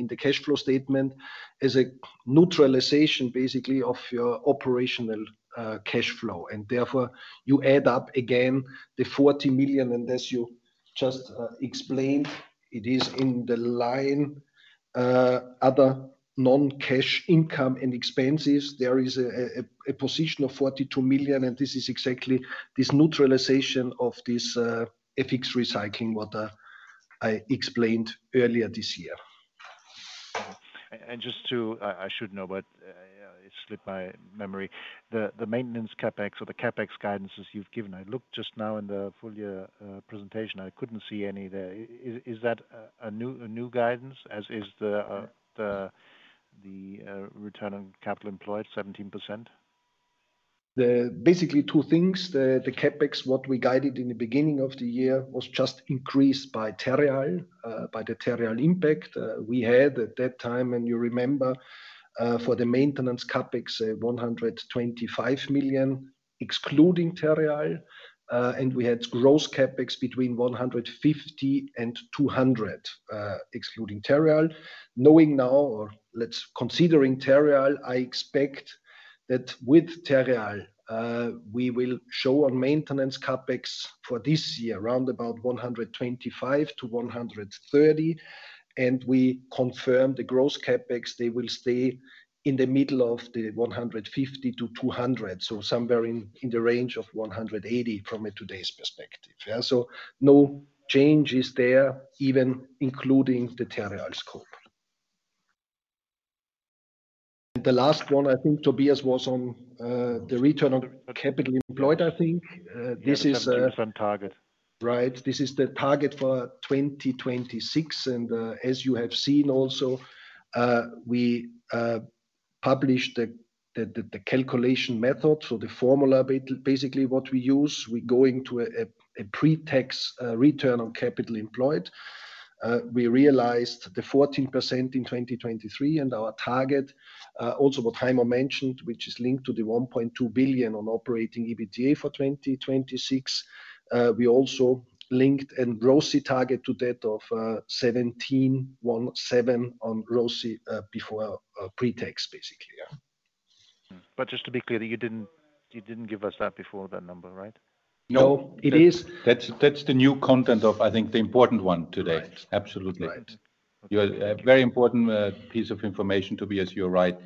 cash flow statement, as a neutralization, basically, of your operational cash flow. Therefore, you add up again, the 40 million, and as you just explained, it is in the line, other non-cash income and expenses. There is a position of 42 million, and this is exactly this neutralization of this, FX recycling, what I explained earlier this year. And just to... I should know, but, it slipped my memory. The maintenance CapEx or the CapEx guidances you've given, I looked just now in the full year presentation, I couldn't see any there. Is that a new guidance, as is the return on capital employed 17%? Basically, two things: the CapEx, what we guided in the beginning of the year, was just increased by Terreal, by the Terreal impact. We had at that time, and you remember, for the maintenance CapEx, 125 million, excluding Terreal, and we had gross CapEx between 150 million and 200 million, excluding Terreal. Knowing now, considering Terreal, I expect that with Terreal, we will show on maintenance CapEx for this year, around about 125 million-130 million, and we confirm the gross CapEx, they will stay in the middle of the 150 million-200 million. So somewhere in the range of 180 million from today's perspective. So no change is there, even including the Terreal scope. The last one, I think, Tobias, was on the Return on Capital Employed, I think. This is Yeah, the different target. Right. This is the target for 2026, and, as you have seen also, we published the calculation method, so the formula basically what we use. We're going to a pre-tax return on capital employed. We realized the 14% in 2023, and our target, also what Heimo mentioned, which is linked to the 1.2 billion on operating EBITDA for 2026. We also linked an ROCE target to that of 17% on ROCE before pre-tax, basically, yeah. Just to be clear, you didn't, you didn't give us that before, that number, right? No, it is- That's the new content of, I think, the important one today. Right. Absolutely. Right. You are a very important piece of information, Tobias, you're right.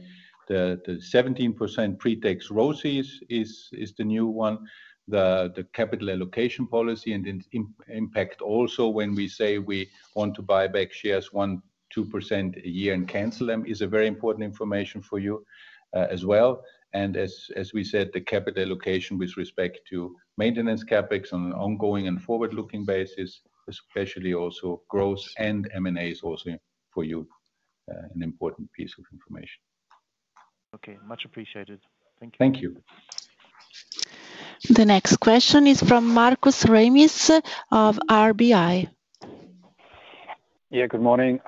The 17% pre-tax ROCE is the new one. The capital allocation policy and impact also when we say we want to buy back shares 1%-2% a year and cancel them is a very important information for you, as well. And as we said, the capital allocation with respect to maintenance CapEx on an ongoing and forward-looking basis, especially also growth and M&As also for you an important piece of information. Okay, much appreciated. Thank you. Thank you. The next question is from Markus Remis of RBI. Yeah, good morning.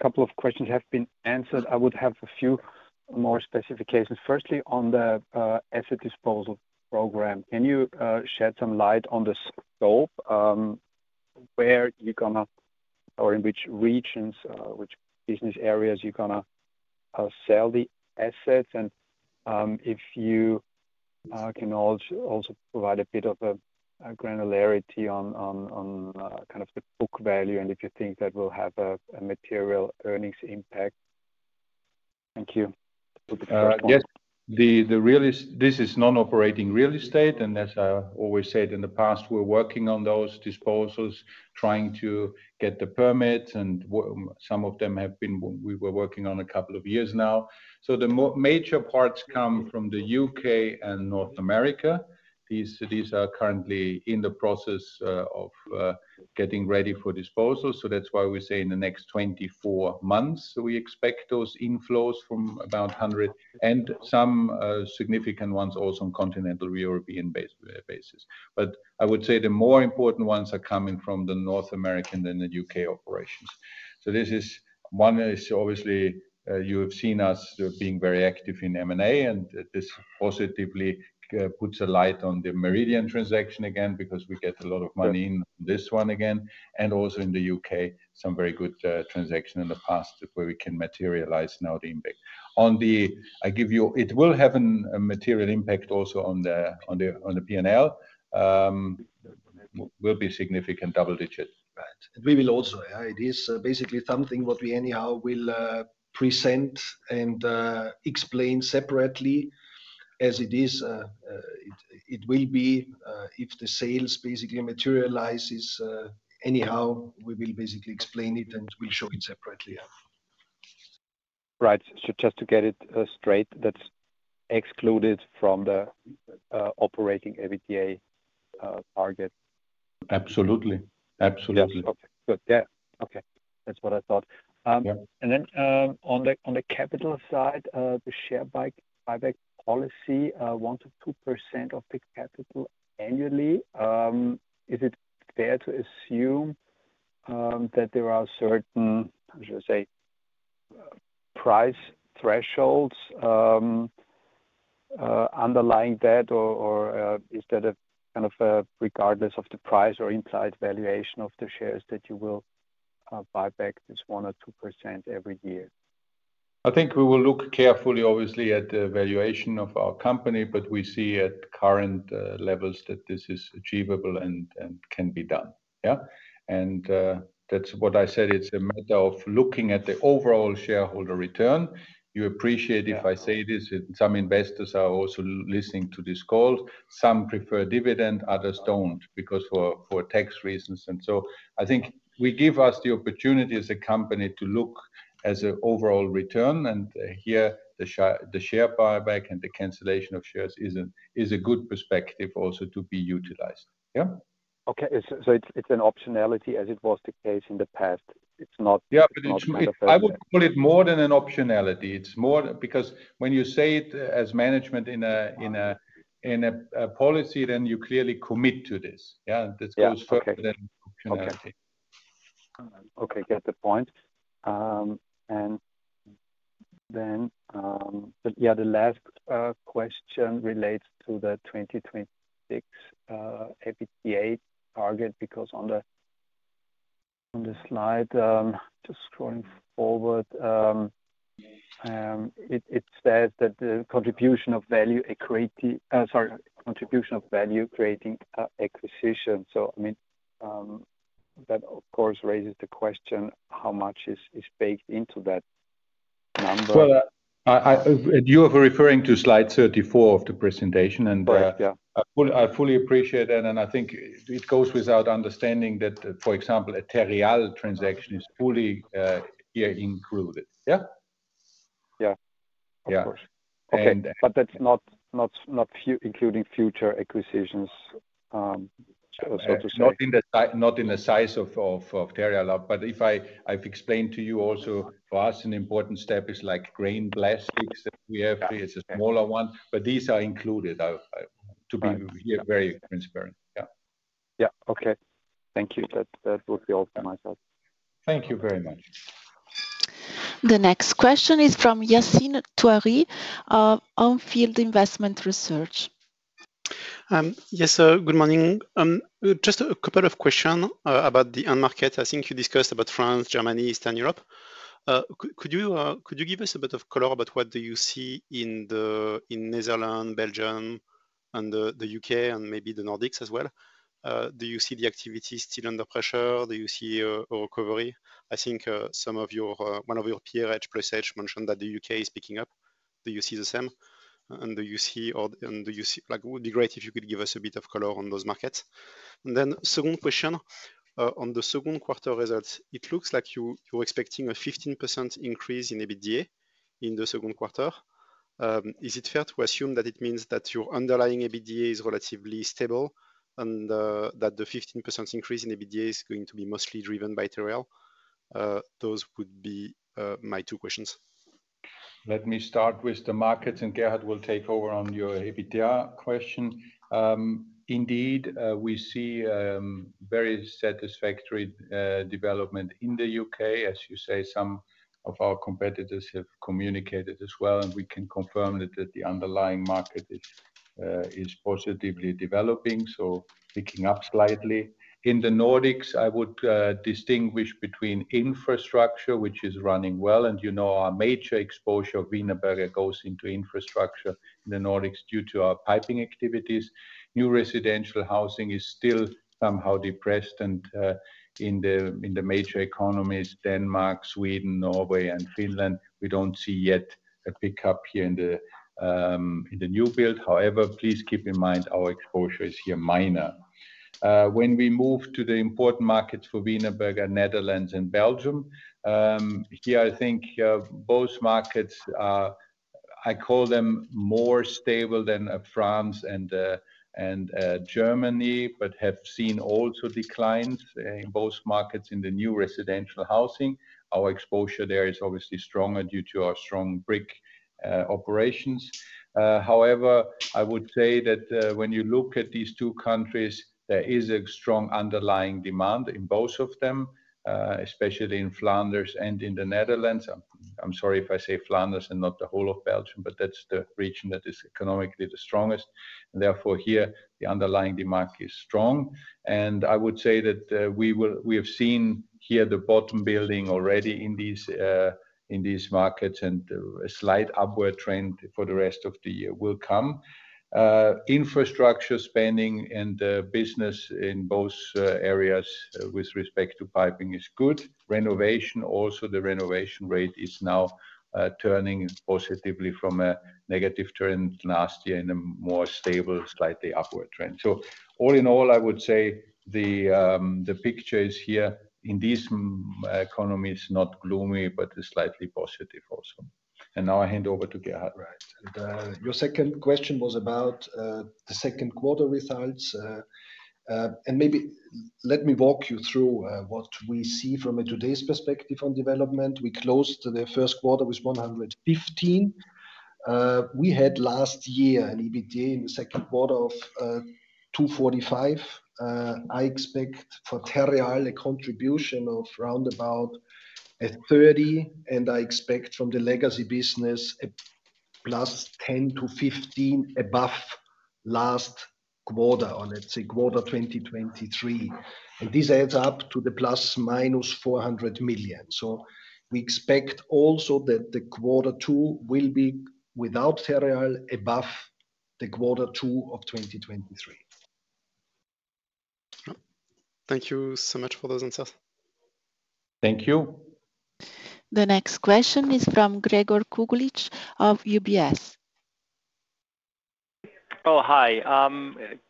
Couple of questions have been answered. I would have a few more specific cases. Firstly, on the asset disposal program, can you shed some light on the scope, where you're gonna or in which regions, which business areas you're gonna sell the assets? And, if you can also provide a bit of a granularity on the book value and if you think that will have a material earnings impact. Thank you. Yes. The real estate is—this is non-operating real estate, and as I always said in the past, we're working on those disposals, trying to get the permit, and some of them have been. We were working on a couple of years now. So the major parts come from the U.K. and North America. These are currently in the process of getting ready for disposal, so that's why we say in the next 24 months, we expect those inflows from about 100. And some significant ones also on continental European basis. But I would say the more important ones are coming from the North American than the U.K. operations. So one is obviously you have seen us being very active in M&A, and this positively puts a light on the Meridian transaction again, because we get a lot of money in this one again, and also in the U.K. some very good transaction in the past where we can materialize now the impact. On the P&L. I give you it will have a material impact also on the P&L. It will be significant double digits. Right. We will also, it is basically something what we anyhow will present and explain separately as it is. It will be, if the sales basically materializes, anyhow, we will basically explain it, and we'll show it separately, yeah. Right. So just to get it straight, that's excluded from the operating EBITDA target? Absolutely. Absolutely. Yeah. Okay, good. Yeah. Okay, that's what I thought. Yeah. Then, on the capital side, the share buyback policy, 1%-2% of the capital annually, is it fair to assume that there are certain, how should I say, price thresholds underlying that? Or, is that a kind of, regardless of the price or implied valuation of the shares that you will buy back this 1%-2% every year? I think we will look carefully, obviously, at the valuation of our company, but we see at current levels that this is achievable and can be done. Yeah. And that's what I said, it's a matter of looking at the overall shareholder return. You appreciate if I say this, some investors are also listening to this call. Some prefer dividend, others don't, because for tax reasons. And so I think we give us the opportunity as a company to look as a overall return, and here, the share buyback and the cancellation of shares is a good perspective also to be utilized. Yeah? Okay. So it's an optionality as it was the case in the past. It's not- Yeah, but it should- It's not- I would call it more than an optionality. It's more... Because when you say it as management in a policy, then you clearly commit to this. Yeah? Yeah. This goes for that optionality. Okay. Okay, get the point. And then, but yeah, the last question relates to the 2026 EBITDA target, because on the, on the slide, just scrolling forward, it says that the contribution of value creating acquisition. So, I mean, that, of course, raises the question, how much is baked into that number? Well, you are referring to slide 34 of the presentation, and Right. Yeah... I fully, I fully appreciate that, and I think it goes without understanding that, for example, a Terreal transaction is fully, yeah, included. Yeah? Yeah. Yeah. Of course. And- Okay, but that's not including future acquisitions, so to say. Not in the size of Terreal, but if I... I've explained to you also, for us, an important step is like green plastics that we have. Yeah. It's a smaller one, but these are included, to be- Right... very transparent. Yeah. Yeah. Okay. Thank you. That would be all for myself. Thank you very much. The next question is from Yassine Touahri, On Field Investment Research. Yes, sir, good morning. Just a couple of question about the end market. I think you discussed about France, Germany, Eastern Europe. Could you give us a bit of color about what do you see in the Netherlands, Belgium, and the U.K., and maybe the Nordics as well? Do you see the activity still under pressure? Do you see a recovery? I think some of your one of your peers H+H mentioned that the U.K. is picking up. Do you see the same? And do you see or and do you see. Like, it would be great if you could give us a bit of color on those markets. And then second question on the second quarter results, it looks like you're expecting a 15% increase in EBITDA in the second quarter. Is it fair to assume that it means that your underlying EBITDA is relatively stable, and that the 15% increase in EBITDA is going to be mostly driven by Terreal? Those would be my two questions. Let me start with the markets, and Gerhard will take over on your EBITDA question. Indeed, we see very satisfactory development in the U.K.. As you say, some of our competitors have communicated as well, and we can confirm that, that the underlying market is positively developing, so picking up slightly. In the Nordics, I would distinguish between infrastructure, which is running well, and you know, our major exposure of Wienerberger goes into infrastructure in the Nordics due to our piping activities. New residential housing is still somehow depressed and in the major economies, Denmark, Sweden, Norway and Finland, we don't see yet a pickup here in the new build. However, please keep in mind, our exposure is here minor. When we move to the important markets for Wienerberger, Netherlands and Belgium, here, I think, both markets are, I call them, more stable than, France and Germany, but have seen also declines, in both markets in the new residential housing. Our exposure there is obviously stronger due to our strong brick, operations. However, I would say that, when you look at these two countries, there is a strong underlying demand in both of them, especially in Flanders and in the Netherlands. I'm sorry if I say Flanders and not the whole of Belgium, but that's the region that is economically the strongest, and therefore here the underlying demand is strong. And I would say that, we have seen here the bottom building already in these, in these markets, and, a slight upward trend for the rest of the year will come. Infrastructure spending and, business in both, areas, with respect to piping is good. Renovation. Also, the renovation rate is now, turning positively from a negative trend last year in a more stable, slightly upward trend. So all in all, I would say the, the picture is here in these, economies, not gloomy, but is slightly positive also. And now I hand over to Gerhard. Right. Your second question was about the second quarter results. And maybe let me walk you through what we see from today's perspective on development. We closed the first quarter with 115. We had last year an EBITDA in the second quarter of 245. I expect for Terreal a contribution of round about 30, and I expect from the legacy business a plus 10-15 above last quarter on, let's say, quarter 2023. And this adds up to the ±400 million. So we expect also that the quarter two will be without Terreal above the quarter two of 2023. Thank you so much for those answers. Thank you. The next question is from Gregor Kuglitsch of UBS. Oh, hi.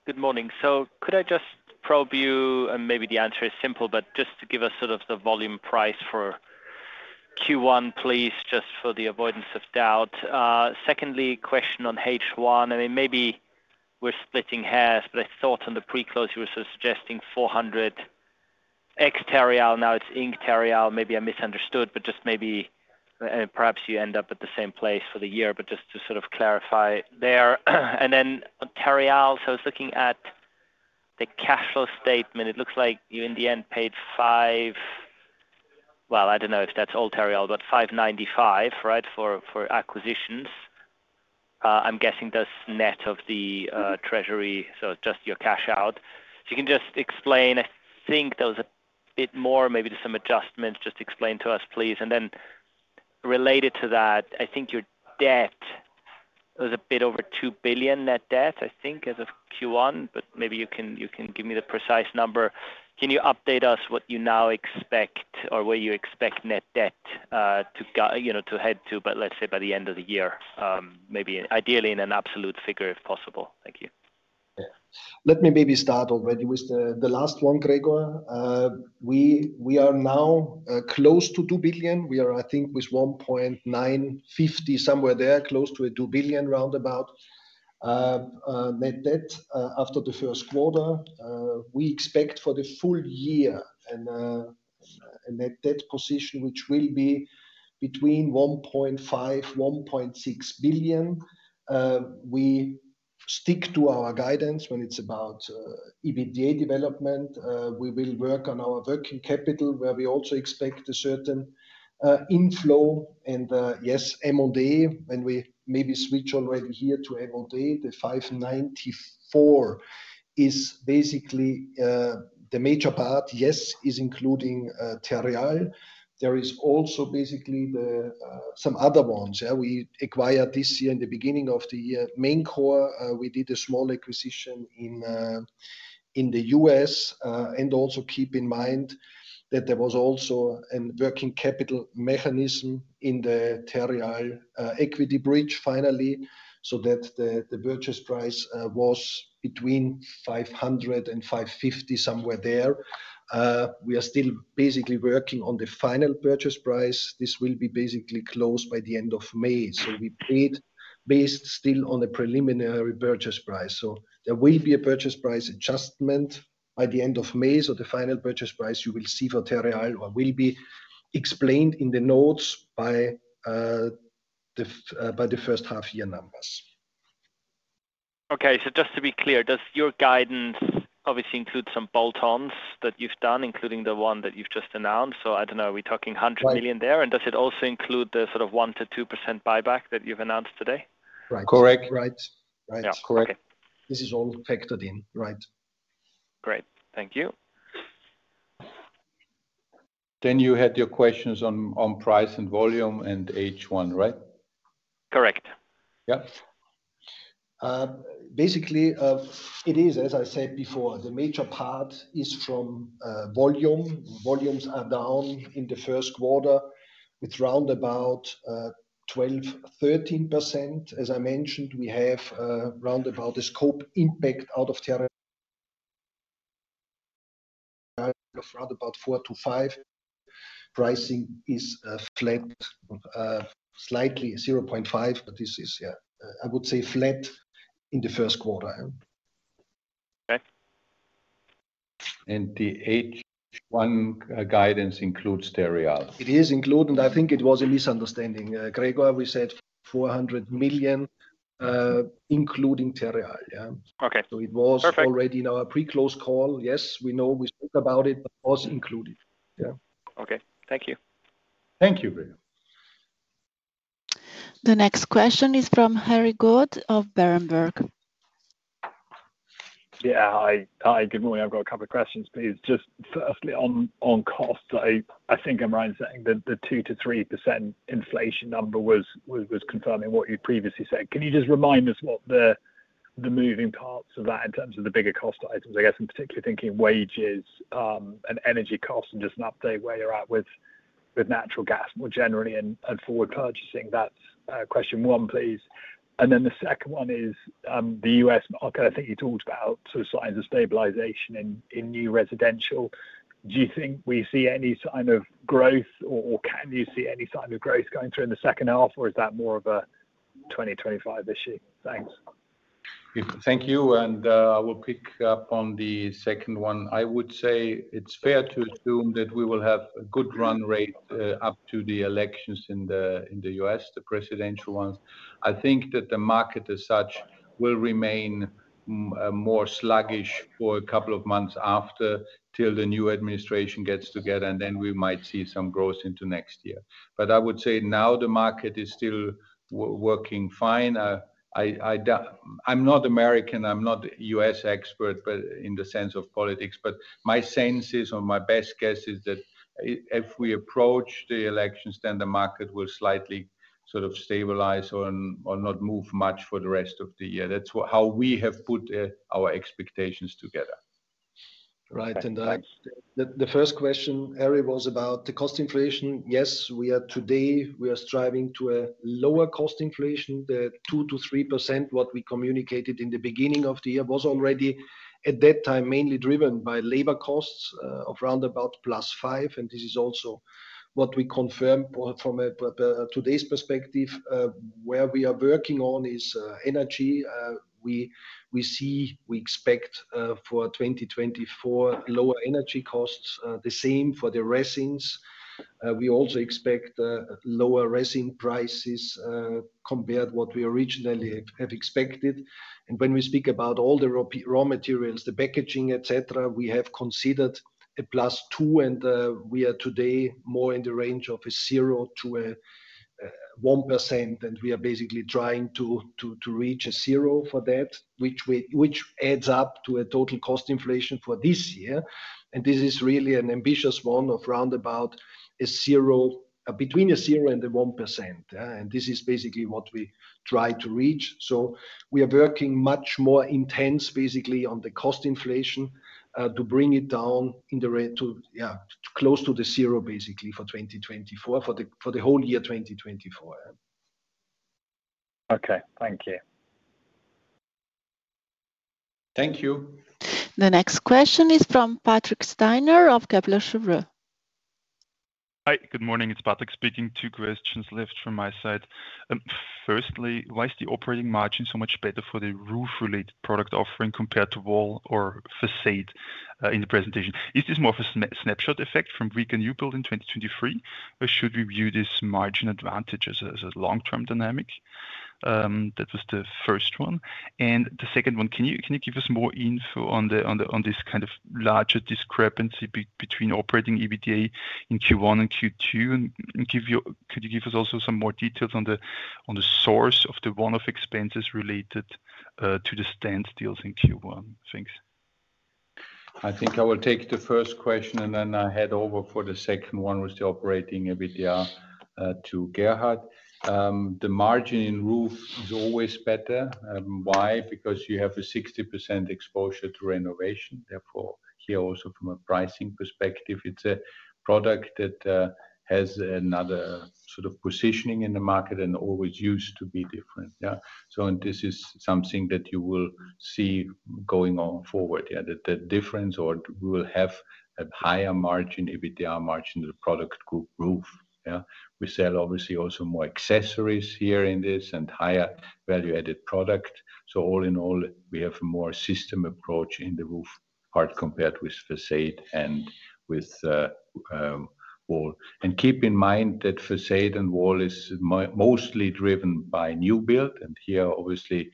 Good morning. So could I just probe you, and maybe the answer is simple, but just to give us sort of the volume price for Q1, please, just for the avoidance of doubt. Secondly, question on H1, I mean, maybe we're splitting hairs, but I thought on the pre-close you were suggesting 400 ex-Terreal, now it's inc-Terreal. Maybe I misunderstood, but just maybe, perhaps you end up at the same place for the year, but just to sort of clarify there. And then on Terreal, so I was looking at the cash flow statement. It looks like you, in the end, paid 595. Well, I don't know if that's all Terreal, but 595, right, for, for acquisitions. I'm guessing that's net of the, treasury, so just your cash out. If you can just explain, I think there was a bit more, maybe there's some adjustments. Just explain to us, please. And then related to that, I think your debt was a bit over 2 billion, net debt, I think, as of Q1, but maybe you can give me the precise number. Can you update us what you now expect or where you expect net debt to go, you know, to head to, but let's say by the end of the year? Maybe ideally in an absolute figure, if possible. Thank you. Let me maybe start already with the last one, Gregor. We are now close to 2 billion. We are, I think, with 1.95 billion, somewhere there, close to a 2 billion roundabout. Net debt after the first quarter, we expect for the full year a net debt position, which will be between 1.5 billion-1.6 billion. We stick to our guidance when it's about EBITDA development. We will work on our working capital, where we also expect a certain inflow. And yes, M&A, when we maybe switch already here to M&A, the 594 million is basically the major part, yes, is including Terreal. There is also basically some other ones. We acquired this year, in the beginning of the year, Maincor. We did a small acquisition in the US. And also keep in mind that there was also a working capital mechanism in the Terreal equity bridge finally, so that the purchase price was between 500 and 550, somewhere there. We are still basically working on the final purchase price. This will be basically closed by the end of May. So we paid based still on the preliminary purchase price. So there will be a purchase price adjustment by the end of May. So the final purchase price you will see for Terreal or will be explained in the notes by the first half year numbers. Okay. So just to be clear, does your guidance obviously include some bolt-ons that you've done, including the one that you've just announced? So I don't know, are we talking 100 million there? Right. Does it also include the sort of 1%-2% buyback that you've announced today? Right. Correct. Right. Right. Yeah. Correct. Okay. This is all factored in, right? Great. Thank you. Then you had your questions on price and volume and H1, right? Correct. Yep. Basically, it is, as I said before, the major part is from volume. Volumes are down in the first quarter with around 12%-13%. As I mentioned, we have around the scope impact out of around 4%-5%. Pricing is flat, slightly 0.5%, but this is, yeah, I would say flat in the first quarter. Okay. The H1 guidance includes Terreal? It is included, and I think it was a misunderstanding. Gregor, we said 400 million, including Terreal. Yeah. Okay. It was. Perfect... already in our pre-close call. Yes, we know. We spoke about it. It was included. Yeah. Okay. Thank you. Thank you, Gregor. The next question is from Harry Goad of Berenberg. Yeah. Hi. Hi, good morning. I've got a couple of questions, please. Just firstly, on cost, I think I'm right in saying that the 2%-3% inflation number was confirming what you previously said. Can you just remind us what the moving parts of that in terms of the bigger cost items? I guess I'm particularly thinking wages and energy costs, and just an update where you're at with natural gas more generally and forward purchasing. That's question one, please. And then the second one is the U.S. market. I think you talked about sort of signs of stabilization in new residential. Do you think we see any sign of growth, or can you see any sign of growth going through in the second half, or is that more of a 2025 issue? Thanks. Thank you, and, I will pick up on the second one. I would say it's fair to assume that we will have a good run rate, up to the elections in the, in the U.S., the presidential ones. I think that the market as such, will remain more sluggish for a couple of months after, till the new administration gets together, and then we might see some growth into next year. But I would say now the market is still working fine. I, I'm not American, I'm not a U.S. expert, but in the sense of politics, but my sense is or my best guess is that if we approach the elections, then the market will slightly sort of stabilize or, or not move much for the rest of the year. That's how we have put, our expectations together. Right. The first question, Harry, was about the cost inflation. Yes, we are today striving to a lower cost inflation. The 2%-3%, what we communicated in the beginning of the year, was already, at that time, mainly driven by labor costs of round about +5%, and this is also what we confirm from a today's perspective. Where we are working on is energy. We see, we expect for 2024 lower energy costs, the same for the resins. We also expect lower resin prices compared what we originally had expected. When we speak about all the raw materials, the packaging, et cetera, we have considered +2%, and we are today more in the range of 0%-1%, and we are basically trying to reach 0% for that. Which adds up to a total cost inflation for this year, and this is really an ambitious one of around 0%. Between 0% and 1%, and this is basically what we try to reach. So we are working much more intense, basically, on the cost inflation to bring it down in the range to, yeah, close to 0%, basically, for 2024, for the whole year 2024. Okay. Thank you. Thank you. The next question is from Patrick Steiner of Kepler Cheuvreux. Hi, good morning, it's Patrick speaking. Two questions left from my side. Firstly, why is the operating margin so much better for the roof-related product offering compared to wall or façade in the presentation? Is this more of a snapshot effect from weak end new build in 2023, or should we view this margin advantage as a long-term dynamic? That was the first one. And the second one, can you give us more info on this kind of larger discrepancy between operating EBITDA in Q1 and Q2, and could you give us also some more details on the source of the one-off expenses related to the standstills in Q1? Thanks. I think I will take the first question, and then I hand over for the second one, with the operating EBITDA to Gerhard. The margin in roof is always better. Why? Because you have a 60% exposure to renovation. Therefore, here also from a pricing perspective, it's a product that has another sort of positioning in the market and always used to be different. Yeah. So and this is something that you will see going on forward, yeah. The, the difference or we will have a higher margin, EBITDA margin, in the product group roof. Yeah. We sell obviously also more accessories here in this and higher value-added product. So all in all, we have more system approach in the roof part compared with facade and with wall. Keep in mind that façade and wall is mostly driven by new build, and here, obviously,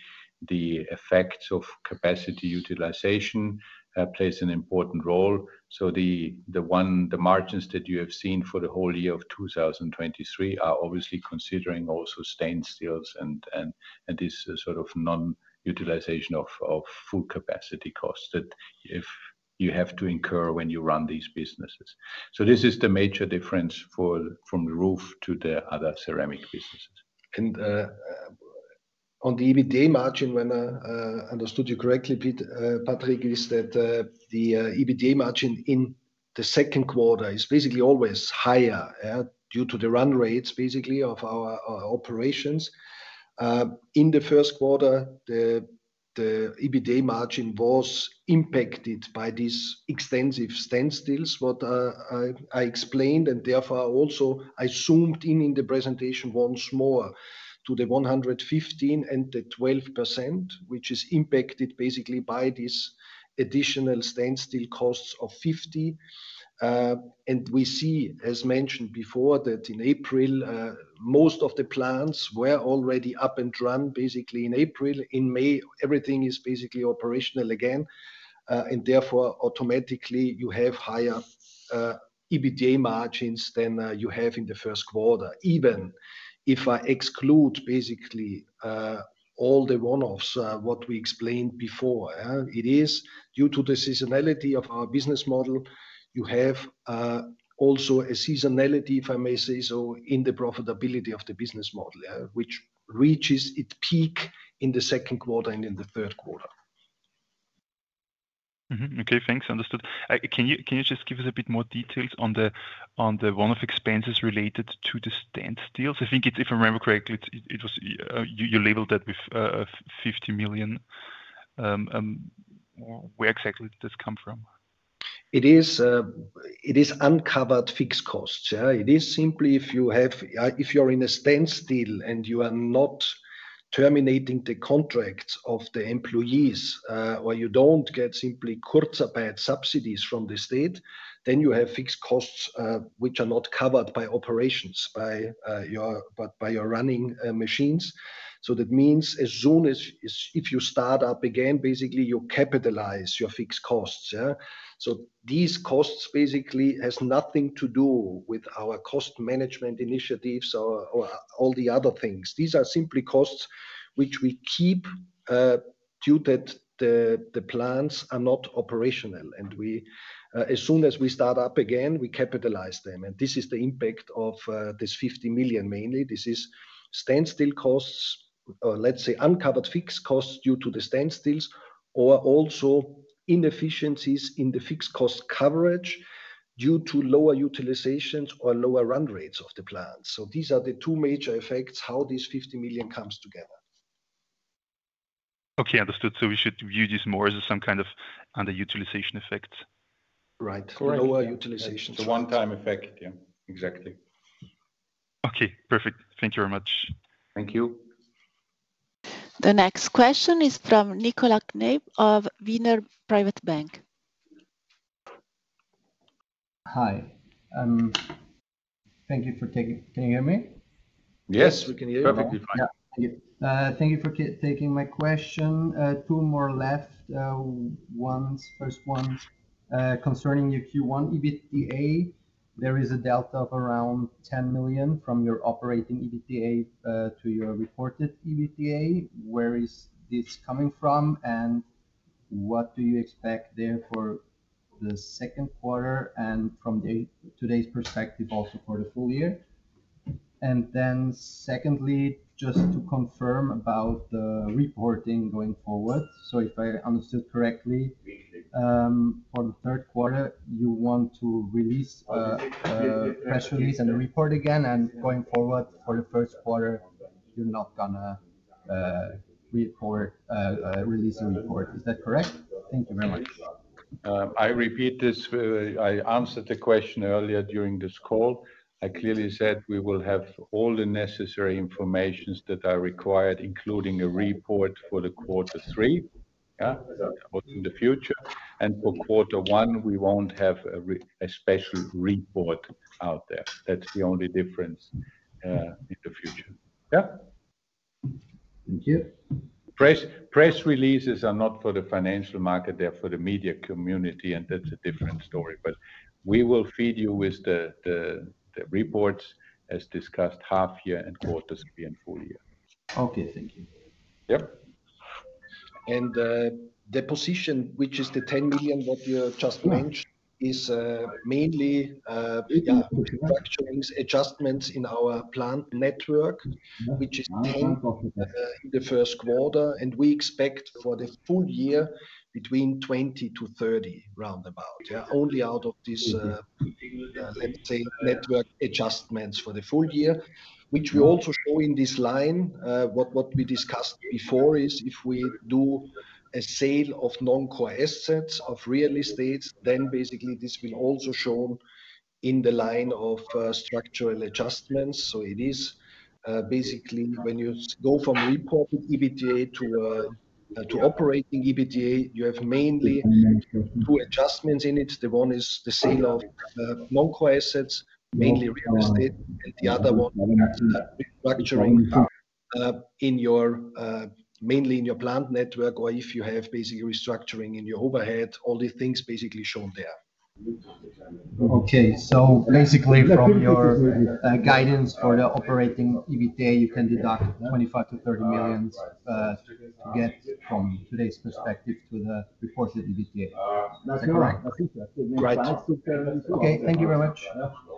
the effects of capacity utilization plays an important role. So the margins that you have seen for the whole year of 2023 are obviously considering also standstills and this sort of non-utilization of full capacity costs that if you have to incur when you run these businesses. So this is the major difference from the roof to the other ceramic businesses. On the EBITDA margin, when I understood you correctly, Pete, Patrick, is that the EBITDA margin in the second quarter is basically always higher due to the run rates, basically, of our operations. In the first quarter, the EBITDA margin was impacted by these extensive standstills, what I explained, and therefore, also I zoomed in in the presentation once more to the 115 and the 12%, which is impacted basically by these additional standstill costs of 50. We see, as mentioned before, that in April most of the plants were already up and run, basically in April. In May, everything is basically operational again. And therefore, automatically, you have higher EBITDA margins than you have in the first quarter. Even if I exclude, basically, all the one-offs, what we explained before, it is due to the seasonality of our business model. You have, also a seasonality, if I may say so, in the profitability of the business model, which reaches its peak in the second quarter and in the third quarter. Mm-hmm. Okay, thanks. Understood. Can you just give us a bit more details on the one-off expenses related to the standstills? I think if I remember correctly, it was... You labeled that with 50 million. Where exactly did this come from? It is uncovered fixed costs, yeah. It is simply if you have, if you're in a standstill and you are not terminating the contract of the employees, or you don't get simply Kurzarbeit subsidies from the state, then you have fixed costs, which are not covered by operations, by your running machines. So that means as soon as if you start up again, basically, you capitalize your fixed costs, yeah? So these costs basically has nothing to do with our cost management initiatives or all the other things. These are simply costs which we keep due that the plants are not operational, and as soon as we start up again, we capitalize them. And this is the impact of this 50 million. Mainly, this is standstill costs, or let's say, uncovered fixed costs due to the standstills, or also inefficiencies in the fixed cost coverage due to lower utilizations or lower run rates of the plants. So these are the two major effects, how these 50 million comes together. Okay, understood. So we should view this more as some kind of underutilization effect? Right. Correct. Lower utilization. It's a one-time effect. Yeah, exactly. Okay, perfect. Thank you very much. Thank you. The next question is from Nicolas Kneip of Wiener Privatbank. Hi. Thank you for taking... Can you hear me? Yes. Yes, we can hear you. Perfectly fine. Yeah. Thank you for taking my question. Two more left. One, first one, concerning your Q1 EBITDA, there is a delta of around 10 million from your operating EBITDA to your reported EBITDA. Where is this coming from, and what do you expect there for the second quarter, and from today's perspective, also for the full year? And then secondly, just to confirm about the reporting going forward. So if I understood correctly, for the third quarter, you want to release a press release and a report again, and going forward, for the first quarter, you're not gonna release a report. Is that correct? Thank you very much. I repeat this. I answered the question earlier during this call. I clearly said we will have all the necessary information that are required, including a report for the quarter three, yeah, or in the future. And for quarter one, we won't have a special report out there. That's the only difference in the future. Yeah? Thank you. Press releases are not for the financial market, they're for the media community, and that's a different story. But we will feed you with the reports, as discussed, half year and quarters and full year. Okay, thank you. Yep. The position, which is the 10 million what you just mentioned, is mainly yeah restructuring adjustments in our plant network, which is 10 in the first quarter, and we expect for the full year between 20-30, roundabout. Yeah, only out of this, let's say, network adjustments for the full year, which we also show in this line. What we discussed before is if we do a sale of non-core assets of real estates, then basically this will also shown in the line of structural adjustments. So it is basically when you go from reported EBITDA to operating EBITDA, you have mainly two adjustments in it. The one is the sale of non-core assets, mainly real estate, and the other one is restructuring in your mainly in your plant network, or if you have basically restructuring in your overhead, all these things basically shown there. Okay. So basically, from your guidance for the operating EBITDA, you can deduct 25 million-30 million to get from today's perspective to the reported EBITDA. Uh, right. Okay. Thank you very much.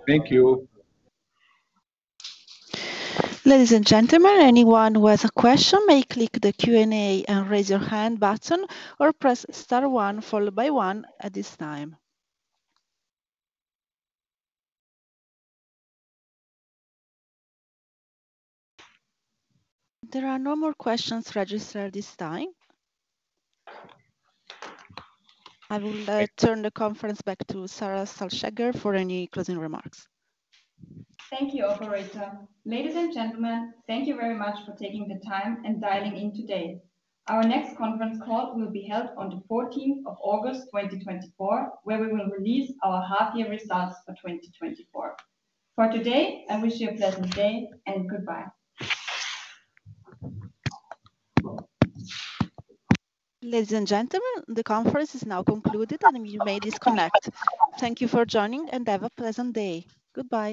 Thank you. Ladies and gentlemen, anyone who has a question may click the Q&A and Raise Your Hand button or press star one, followed by one at this time. There are no more questions registered at this time. I will now turn the conference back to Sarah Salchegger for any closing remarks. Thank you, operator. Ladies and gentlemen, thank you very much for taking the time and dialing in today. Our next conference call will be held on the fourteenth of August, 2024, where we will release our half-year results for 2024. For today, I wish you a pleasant day, and goodbye. Ladies and gentlemen, the conference is now concluded, and you may disconnect. Thank you for joining, and have a pleasant day. Goodbye.